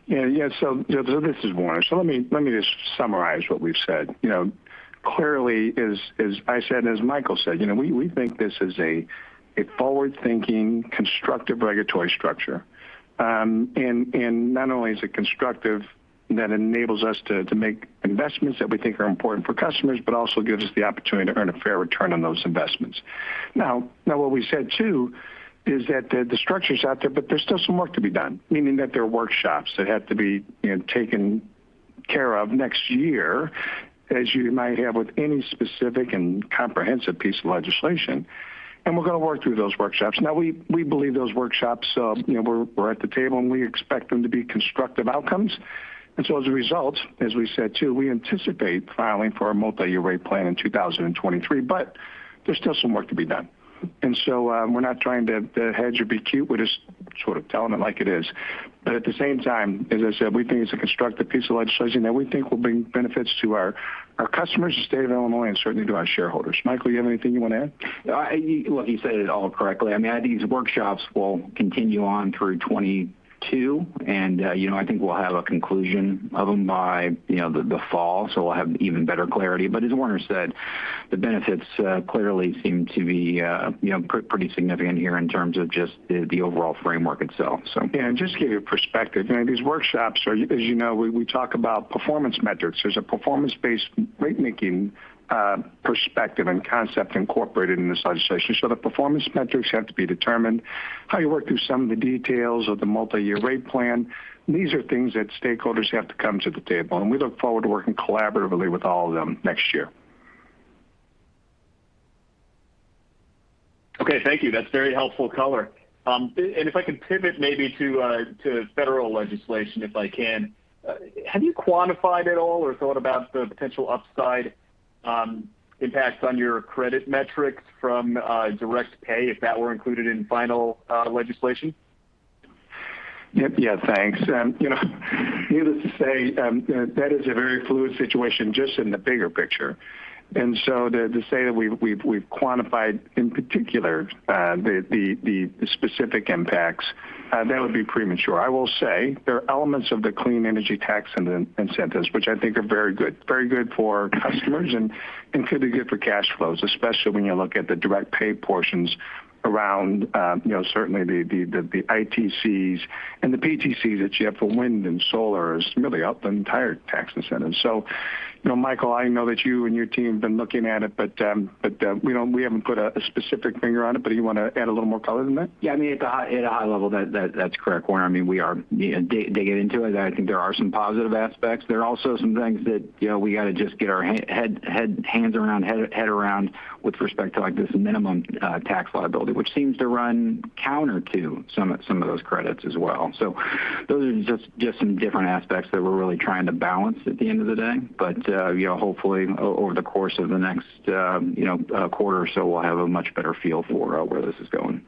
Yeah. This is Warner. Let me just summarize what we've said. You know, clearly, as I said and as Michael said, you know, we think this is a forward-thinking, constructive regulatory structure. And not only is it constructive that enables us to make investments that we think are important for customers, but also gives us the opportunity to earn a fair return on those investments. Now what we said, too, is that the structure's out there, but there's still some work to be done, meaning that there are workshops that have to be, you know, taken care of next year, as you might have with any specific and comprehensive piece of legislation. We're going to work through those workshops. Now we believe those workshops, you know, we're at the table, and we expect them to be constructive outcomes. As a result, as we said, too, we anticipate filing for our multi-year rate plan in 2023, but there's still some work to be done. We're not trying to hedge or be cute. We're just sort of telling it like it is. But at the same time, as I said, we think it's a constructive piece of legislation that we think will bring benefits to our customers, the state of Illinois, and certainly to our shareholders. Michael, you have anything you want to add? Yeah. Well, he said it all correctly. I mean, I think these workshops will continue on through 2022. You know, I think we'll have a conclusion of them by the fall, so we'll have even better clarity. As Warner said, the benefits clearly seem to be you know, pretty significant here in terms of just the overall framework itself, so. Yeah. Just to give you perspective, you know, these workshops are, as you know, we talk about performance metrics. There's a performance-based rate-making perspective and concept incorporated in this legislation. The performance metrics have to be determined, how you work through some of the details of the multi-year rate plan. These are things that stakeholders have to come to the table, and we look forward to working collaboratively with all of them next year. Okay. Thank you. That's very helpful color. If I can pivot maybe to federal legislation, if I can. Have you quantified at all or thought about the potential upside impacts on your credit metrics from direct pay if that were included in final legislation? Yep. Yeah, thanks. You know, needless to say, that is a very fluid situation just in the bigger picture. To say that we've quantified in particular, the specific impacts, that would be premature. I will say there are elements of the clean energy tax incentives, which I think are very good, very good for customers and can be good for cash flows, especially when you look at the direct pay portions around, you know, certainly the ITCs and the PTCs that you have for wind and solar is really help the entire tax incentive. Michael, I know that you and your team have been looking at it, but we haven't put a specific finger on it. Do you want to add a little more color than that? Yeah. I mean, at a high level, that's correct, Warner. I mean, we are, you know, digging into it. I think there are some positive aspects. There are also some things that, you know, we got to just get our hands around with respect to, like, this minimum tax liability, which seems to run counter to some of those credits as well. Those are just some different aspects that we're really trying to balance at the end of the day. You know, hopefully over the course of the next, you know, quarter or so, we'll have a much better feel for where this is going.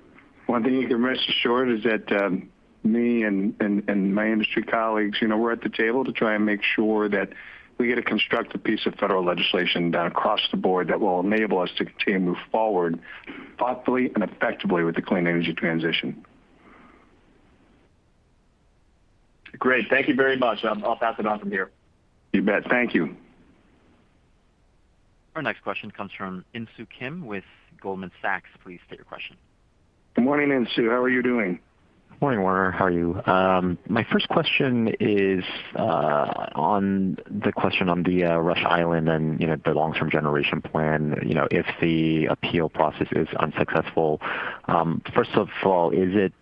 One thing you can rest assured is that, me and my industry colleagues, you know, we're at the table to try and make sure that we get a constructive piece of federal legislation down across the board that will enable us to continue to move forward thoughtfully and effectively with the clean energy transition. Great. Thank you very much. I'll pass it on from here. You bet. Thank you. Our next question comes from Insoo Kim with Goldman Sachs. Please state your question. Good morning, Insoo. How are you doing? Morning, Warner. How are you? My first question is on Rush Island and, you know, the long-term generation plan, you know, if the appeal process is unsuccessful. First of all, is it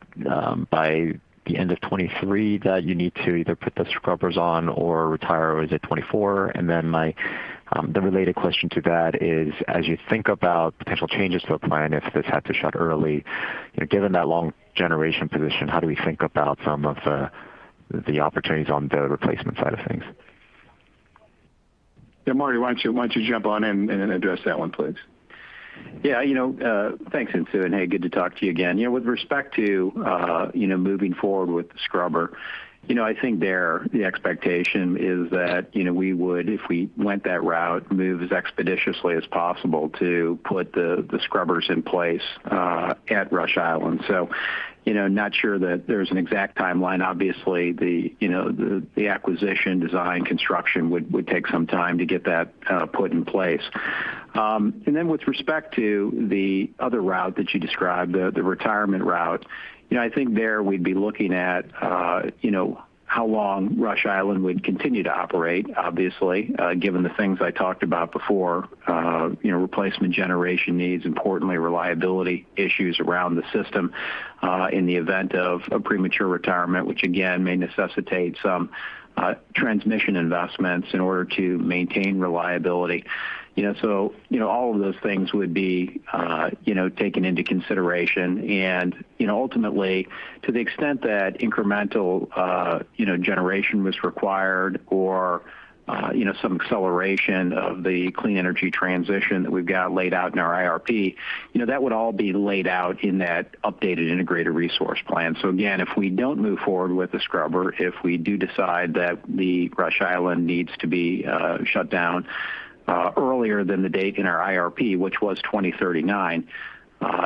by the end of 2023 that you need to either put the scrubbers on or retire, or is it 2024? And then the related question to that is, as you think about potential changes to a plan, if this had to shut early, you know, given that long generation position, how do we think about some of the opportunities on the replacement side of things? Yeah. Marty, why don't you jump on in and address that one, please? Yeah. You know, thanks, Insoo, and hey, good to talk to you again. You know, with respect to, you know, moving forward with the scrubber, you know, I think there's the expectation is that, you know, we would, if we went that route, move as expeditiously as possible to put the scrubbers in place at Rush Island. So, you know, not sure that there's an exact timeline. Obviously, the acquisition design construction would take some time to get that put in place. With respect to the other route that you described, the retirement route, you know, I think there we'd be looking at, you know, how long Rush Island would continue to operate, obviously, given the things I talked about before, you know, replacement generation needs, importantly, reliability issues around the system, in the event of a premature retirement, which again may necessitate some, transmission investments in order to maintain reliability. You know, so, you know, all of those things would be, you know, taken into consideration. You know, ultimately, to the extent that incremental, you know, generation was required or, you know, some acceleration of the clean energy transition that we've got laid out in our IRP, you know, that would all be laid out in that updated integrated resource plan. Again, if we don't move forward with the scrubber, if we do decide that the Rush Island needs to be shut down earlier than the date in our IRP, which was 2039,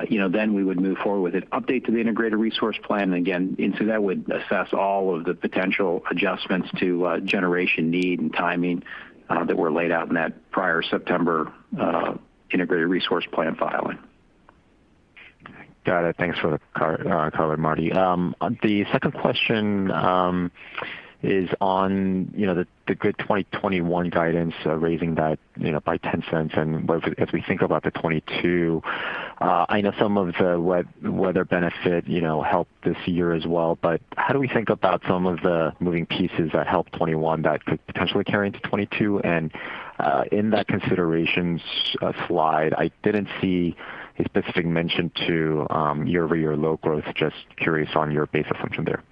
you know, then we would move forward with an update to the integrated resource plan. Again, Insoo, that would assess all of the potential adjustments to generation need and timing that were laid out in that prior September integrated resource plan filing. Got it. Thanks for the color, Marty. The second question is on, you know, the good 2021 guidance, raising that, you know, by $0.10. If we think about the 2022, I know some of the weather benefit, you know, helped this year as well, but how do we think about some of the moving pieces that helped 2021 that could potentially carry into 2022? In that considerations slide, I didn't see a specific mention to year-over-year load growth. Just curious on your base assumption there.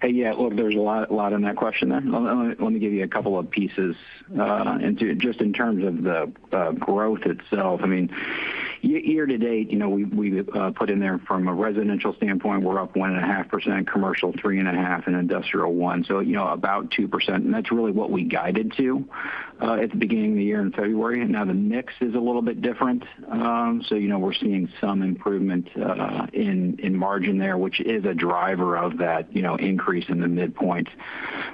Hey, yeah. Look, there's a lot in that question there. Let me give you a couple of pieces. Just in terms of the growth itself, I mean, year-to-date, you know, we put in there from a residential standpoint, we're up 1.5%, commercial 3.5%, and industrial 1%. You know, about 2%, and that's really what we guided to at the beginning of the year in February. Now the mix is a little bit different. You know, we're seeing some improvement in margin there, which is a driver of that, you know, increase in the midpoint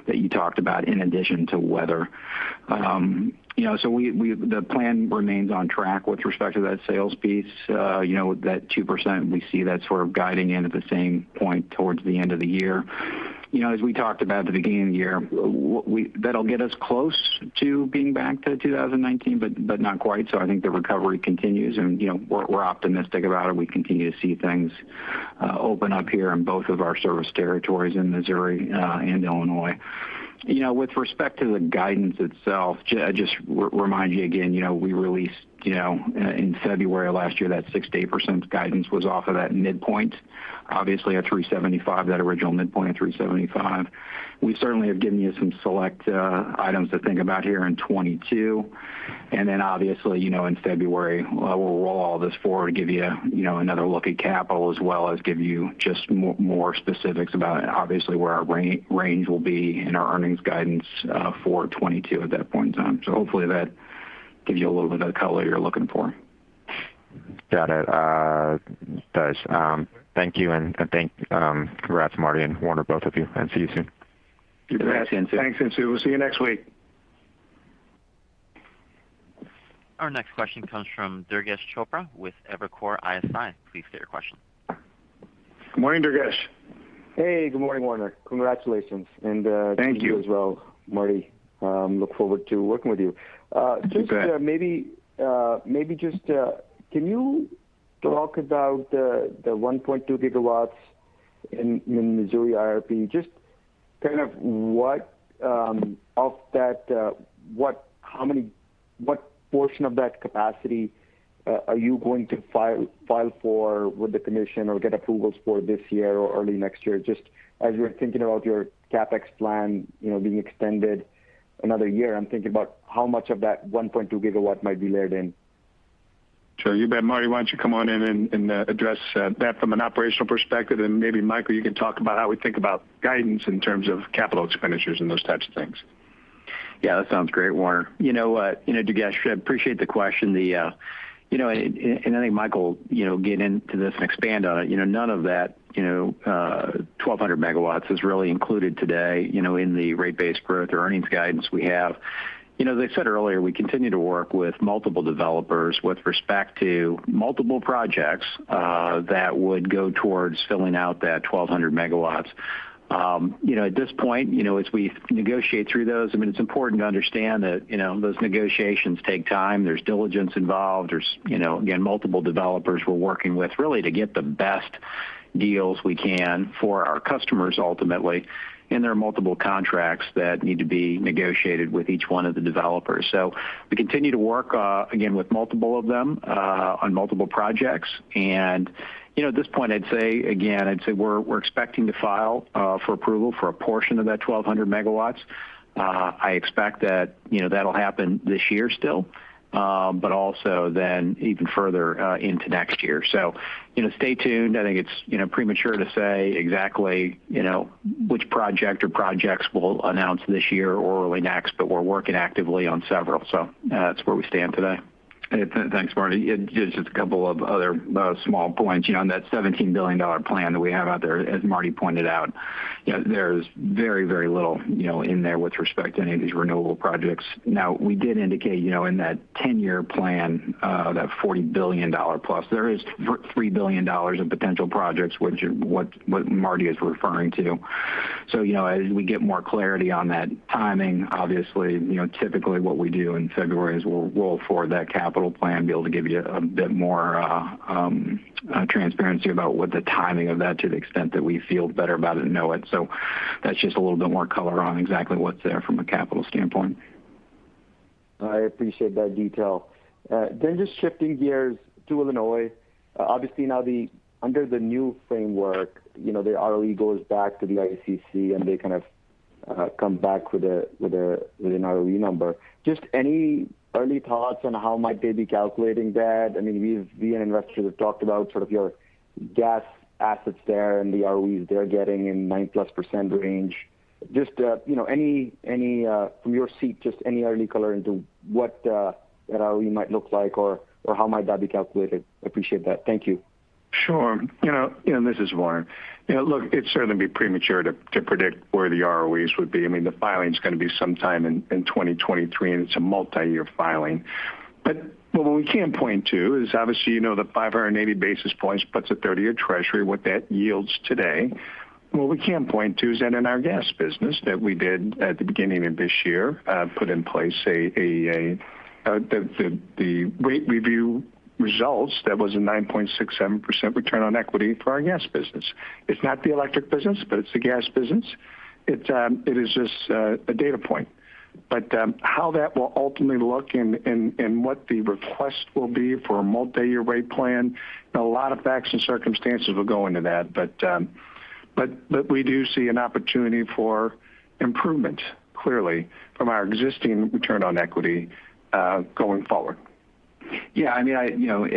that you talked about in addition to weather. You know, the plan remains on track with respect to that sales piece. You know, that 2%, we see that sort of guiding in at the same point towards the end of the year. You know, as we talked about at the beginning of the year, we-- that'll get us close to being back to 2019 but not quite. I think the recovery continues and, you know, we're optimistic about it. We continue to see things open up here in both of our service territories in Missouri and Illinois. You know, with respect to the guidance itself, just remind you again, you know, we released, you know, in February of last year, that 6%-8% guidance was off of that midpoint. Obviously at 3.75, that original midpoint at 3.75. We certainly have given you some select items to think about here in 2022. Obviously, you know, in February, we'll roll all this forward to give you know, another look at capital as well as give you just more specifics about obviously where our range will be in our earnings guidance for 2022 at that point in time. Hopefully that gives you a little bit of color you're looking for. Got it. Guys, thank you and congrats, Marty and Warner, both of you, and see you soon. Congrats, Insoo. Thanks, Insoo. We'll see you next week. Our next question comes from Durgesh Chopra with Evercore ISI. Please state your question. Good morning, Durgesh. Hey, good morning, Warner. Congratulations. Thank you. ...to you as well, Marty. Look forward to working with you. You bet. Just, maybe just, can you talk about the 1.2 GW in Missouri IRP? Just kind of what portion of that capacity are you going to file for with the commission or get approvals for this year or early next year? Just as you're thinking about your CapEx plan, you know, being extended another year, I'm thinking about how much of that 1.2 GW might be layered in. Sure. You bet. Marty, why don't you come on in and address that from an operational perspective, and maybe Michael, you can talk about how we think about guidance in terms of capital expenditures and those types of things. Yeah, that sounds great, Warner. You know, Durges, I appreciate the question. I think Michael you know get into this and expand on it. You know, none of that 1,200 MW is really included today, you know, in the rate base growth or earnings guidance we have. You know, as I said earlier, we continue to work with multiple developers with respect to multiple projects that would go towards filling out that 1,200 MW. You know, at this point, you know, as we negotiate through those, I mean, it's important to understand that, you know, those negotiations take time. There's diligence involved. There's, you know, again, multiple developers we're working with really to get the best deals we can for our customers ultimately. There are multiple contracts that need to be negotiated with each one of the developers. We continue to work, again, with multiple of them, on multiple projects. You know, at this point, I'd say again we're expecting to file for approval for a portion of that 1,200 MW. I expect that, you know, that'll happen this year still, but also then even further, into next year. You know, stay tuned. I think it's, you know, premature to say exactly, you know, which project or projects we'll announce this year or early next, but we're working actively on several. That's where we stand today. Thanks, Marty. Yeah, just a couple of other small points. You know, on that $17 billion plan that we have out there, as Marty pointed out, you know, there's very, very little, you know, in there with respect to any of these renewable projects. Now, we did indicate, you know, in that ten-year plan, that $40 billion+, there is three billion dollars of potential projects, which are what Marty is referring to. You know, as we get more clarity on that timing, obviously, you know, typically what we do in February is we'll roll forward that capital plan, be able to give you a bit more transparency about what the timing of that to the extent that we feel better about it and know it. That's just a little bit more color on exactly what's there from a capital standpoint. I appreciate that detail. Just shifting gears to Illinois. Obviously now under the new framework, you know, the ROE goes back to the ICC, and they kind of come back with an ROE number. Just any early thoughts on how might they be calculating that? I mean, we as investors have talked about sort of your gas assets there and the ROEs they're getting in 9%+ range. Just you know, any from your seat, just any early color into what the ROE might look like or how might that be calculated? Appreciate that. Thank you. Sure. You know, this is Warner. You know, look, it'd certainly be premature to predict where the ROEs would be. I mean, the filing is going to be sometime in 2023, and it's a multi-year filing. What we can point to is obviously, you know, the 580 basis points puts a 30-year Treasury what that yields today. What we can point to is that in our gas business that we did at the beginning of this year, put in place the rate review results that was a 9.67% return on equity for our gas business. It's not the electric business, but it's the gas business. It is just a data point. how that will ultimately look and what the request will be for a multi-year rate plan, a lot of facts and circumstances will go into that. we do see an opportunity for improvement, clearly, from our existing return on equity, going forward. Yeah, I mean, you know,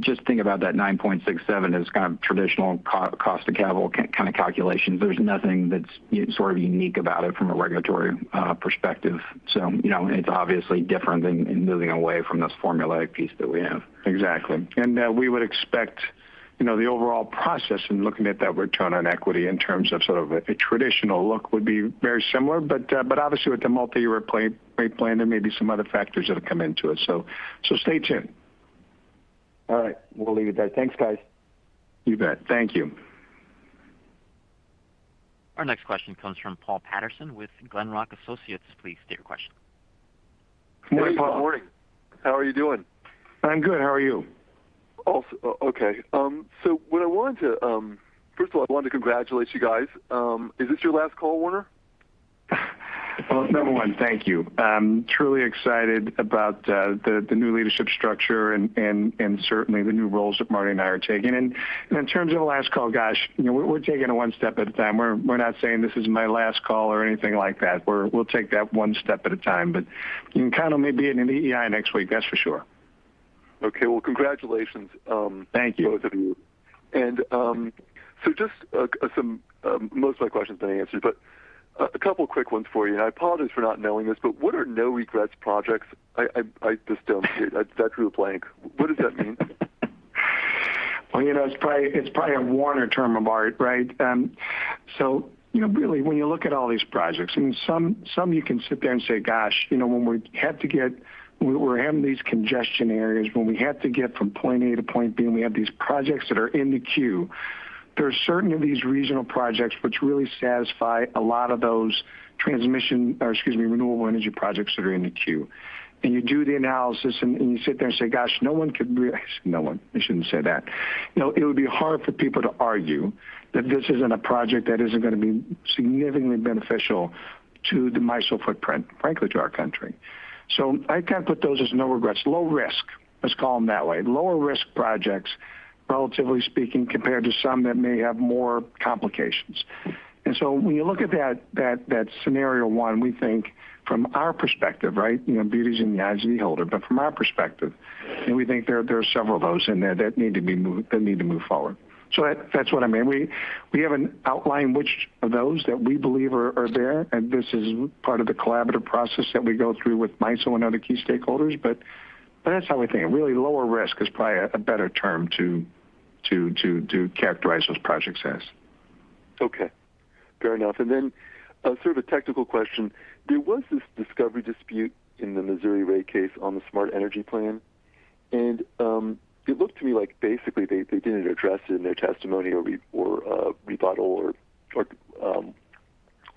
just think about that 9.67 as kind of traditional cost of capital kind of calculation. There's nothing that's sort of unique about it from a regulatory perspective. You know, it's obviously different than moving away from this formulaic piece that we have. Exactly. We would expect, you know, the overall process in looking at that return on equity in terms of sort of a traditional look would be very similar. Obviously, with the multi-year rate plan, there may be some other factors that'll come into it. Stay tuned. All right. We'll leave it there. Thanks, guys. You bet. Thank you. Our next question comes from Paul Patterson with Glenrock Associates. Please state your question. Hey, Paul. Morning. How are you doing? I'm good. How are you? What I wanted to first of all, I wanted to congratulate you guys. Is this your last call, Warner? Well, number one, thank you. I'm truly excited about the new leadership structure and certainly the new roles that Marty and I are taking. In terms of the last call, gosh, you know, we're taking it one step at a time. We're not saying this is my last call or anything like that. We'll take that one step at a time. You can count on me being in EEI next week, that's for sure. Okay. Well, congratulations. Thank you. both of you. Most of my questions have been answered, but a couple quick ones for you. I apologize for not knowing this, but what are no regrets projects? I just don't. That drew a blank. What does that mean? You know, it's probably a Warner term of art, right? You know, really, when you look at all these projects, I mean, some you can sit there and say, "Gosh, you know, when we're having these congestion areas, when we had to get from point A to point B, and we have these projects that are in the queue," there are certain of these regional projects which really satisfy a lot of those transmission, or excuse me, renewable energy projects that are in the queue. You do the analysis and you sit there and say, "Gosh, no one" I say no one, I shouldn't say that. You know, it would be hard for people to argue that this isn't a project that isn't going to be significantly beneficial to the MISO footprint, frankly, to our country. I kind of put those as no regrets. Low risk, let's call them that way. Lower risk projects, relatively speaking, compared to some that may have more complications. When you look at that scenario one, we think from our perspective, right? You know, beauty's in the eye of the beholder. From our perspective, we think there are several of those in there that need to move forward. That, that's what I meant. We haven't outlined which of those that we believe are there, and this is part of the collaborative process that we go through with MISO and other key stakeholders. That's how we think. Really lower risk is probably a better term to characterize those projects as. Okay. Fair enough. Sort of a technical question. There was this discovery dispute in the Missouri rate case on the Smart Energy Plan, and it looked to me like basically they didn't address it in their testimony or rebuttal or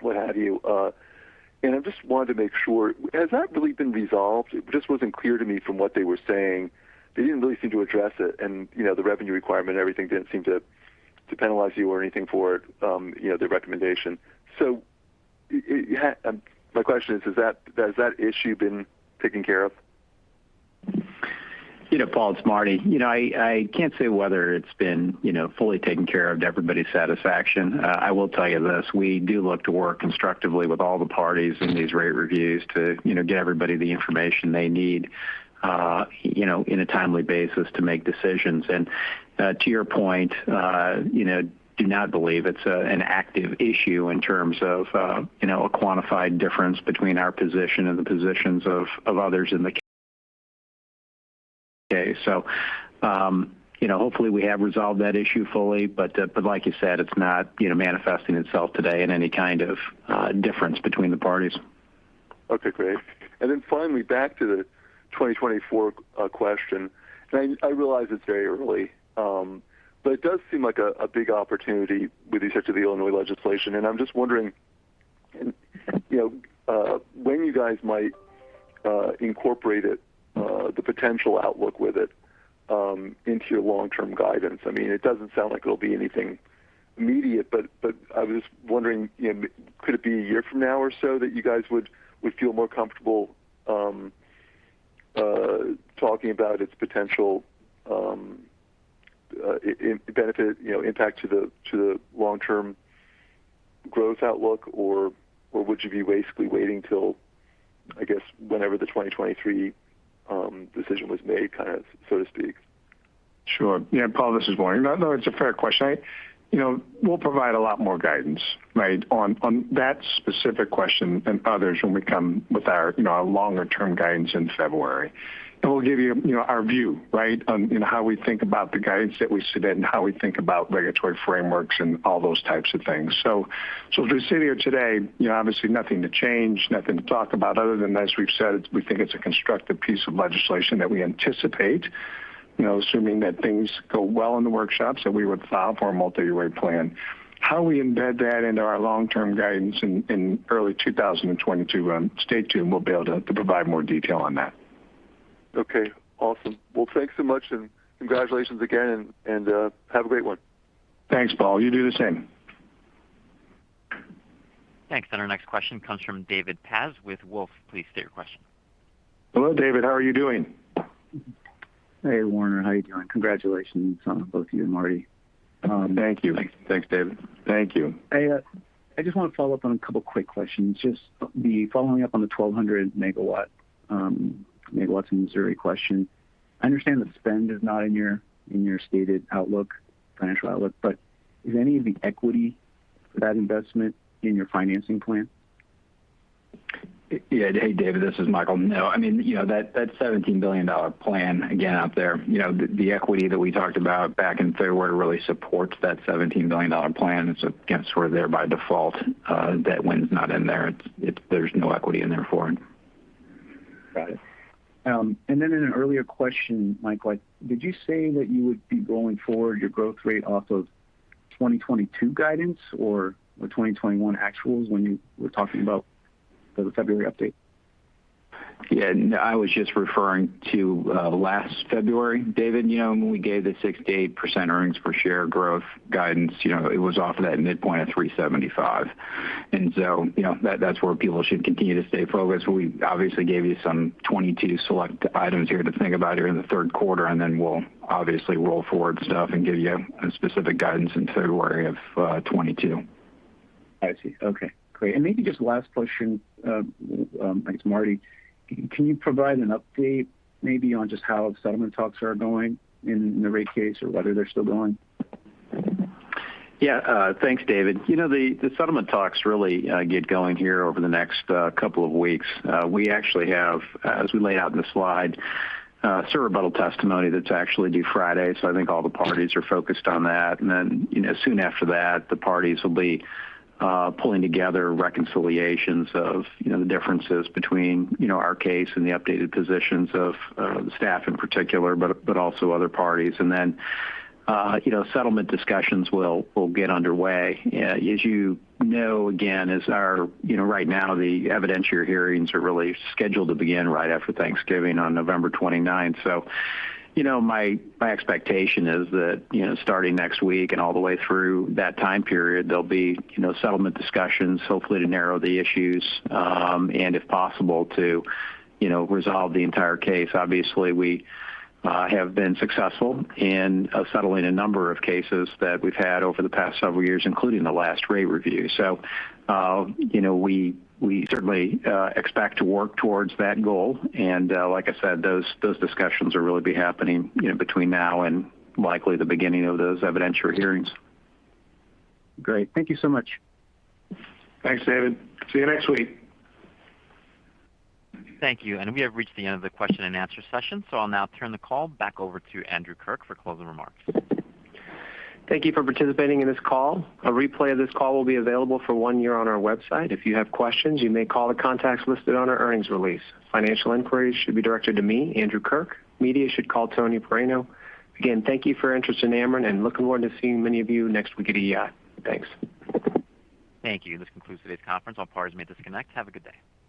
what have you. I just wanted to make sure. Has that really been resolved? It just wasn't clear to me from what they were saying. They didn't really seem to address it and, you know, the revenue requirement, everything didn't seem to penalize you or anything for the recommendation. My question is, has that issue been taken care of? You know, Paul, it's Marty. You know, I can't say whether it's been, you know, fully taken care of to everybody's satisfaction. I will tell you this, we do look to work constructively with all the parties in these rate reviews to, you know, get everybody the information they need, you know, in a timely basis to make decisions. To your point, you know, I do not believe it's an active issue in terms of, you know, a quantified difference between our position and the positions of others in the case. You know, hopefully we have resolved that issue fully, but like you said, it's not, you know, manifesting itself today in any kind of difference between the parties. Okay, great. Finally back to the 2024 question, and I realize it's very early, but it does seem like a big opportunity with respect to the Illinois legislation, and I'm just wondering, you know, when you guys might incorporate it, the potential outlook with it, into your long-term guidance. I mean, it doesn't sound like it'll be anything immediate, but I was just wondering, you know, could it be a year from now or so that you guys would feel more comfortable talking about its potential impact, you know, benefit, you know, impact to the long-term growth outlook or would you be basically waiting till, I guess, whenever the 2023 decision was made, kind of, so to speak? Sure. Yeah. Paul, this is Warner. No, no, it's a fair question. You know, we'll provide a lot more guidance, right, on that specific question and others when we come with our, you know, our longer-term guidance in February. We'll give you know, our view, right, on, you know, how we think about the guidance that we submit and how we think about regulatory frameworks and all those types of things. To sit here today, you know, obviously nothing to change, nothing to talk about other than, as we've said, we think it's a constructive piece of legislation that we anticipate, you know, assuming that things go well in the workshops, that we would file for a multi-year plan. How we embed that into our long-term guidance in early 2022, stay tuned, we'll be able to provide more detail on that. Okay, awesome. Well, thanks so much, and congratulations again, have a great one. Thanks, Paul. You do the same. Thanks. Our next question comes from David Paz with Wolfe. Please state your question. Hello, David. How are you doing? Hey, Warner. How are you doing? Congratulations on both of you, Marty. Thank you. Thanks. Thanks, David. Thank you. I just want to follow up on a couple quick questions. Just following up on the 1,200 MW in Missouri question. I understand the spend is not in your stated financial outlook, but is any of the equity for that investment in your financing plan? Yeah. Hey, David, this is Michael. No. I mean, you know, that $17 billion plan, again, out there. You know, the equity that we talked about back in February really supports that $17 billion plan. It's again, sort of there by default. That win's not in there. It's. There's no equity in there for it. Got it. In an earlier question, Michael, did you say that you would be rolling forward your growth rate off of 2022 guidance or the 2021 actuals when you were talking about the February update? Yeah. No, I was just referring to last February. David, you know, when we gave the 6%-8% earnings per share growth guidance, you know, it was off of that midpoint of $3.75. You know, that's where people should continue to stay focused. We obviously gave you some 2022 select items here to think about during the third quarter, and then we'll obviously roll forward stuff and give you a specific guidance in February of 2022. I see. Okay, great. Maybe just last question, thanks, Marty. Can you provide an update maybe on just how settlement talks are going in the rate case or whether they're still going? Yeah. Thanks, David. You know, the settlement talks really get going here over the next couple of weeks. We actually have, as we laid out in the slide, surrebuttal testimony that's actually due Friday. So I think all the parties are focused on that. Then, you know, soon after that, the parties will be pulling together reconciliations of, you know, the differences between, you know, our case and the updated positions of the staff in particular, but also other parties. Then, you know, settlement discussions will get underway. As you know, again, as our. You know, right now, the evidentiary hearings are really scheduled to begin right after Thanksgiving on November 29th. You know, my expectation is that, you know, starting next week and all the way through that time period, there'll be, you know, settlement discussions, hopefully to narrow the issues, and if possible, to, you know, resolve the entire case. Obviously, we have been successful in settling a number of cases that we've had over the past several years, including the last rate review. You know, we certainly expect to work towards that goal. Like I said, those discussions will really be happening, you know, between now and likely the beginning of those evidentiary hearings. Great. Thank you so much. Thanks, David. See you next week. Thank you. We have reached the end of the question and answer session, so I'll now turn the call back over to Andrew Kirk for closing remarks. Thank you for participating in this call. A replay of this call will be available for one year on our website. If you have questions, you may call the contacts listed on our earnings release. Financial inquiries should be directed to me, Andrew Kirk. Media should call Tony Paraino. Again, thank you for your interest in Ameren and looking forward to seeing many of you next week at EI. Thanks. Thank you. This concludes today's conference. All parties may disconnect. Have a good day.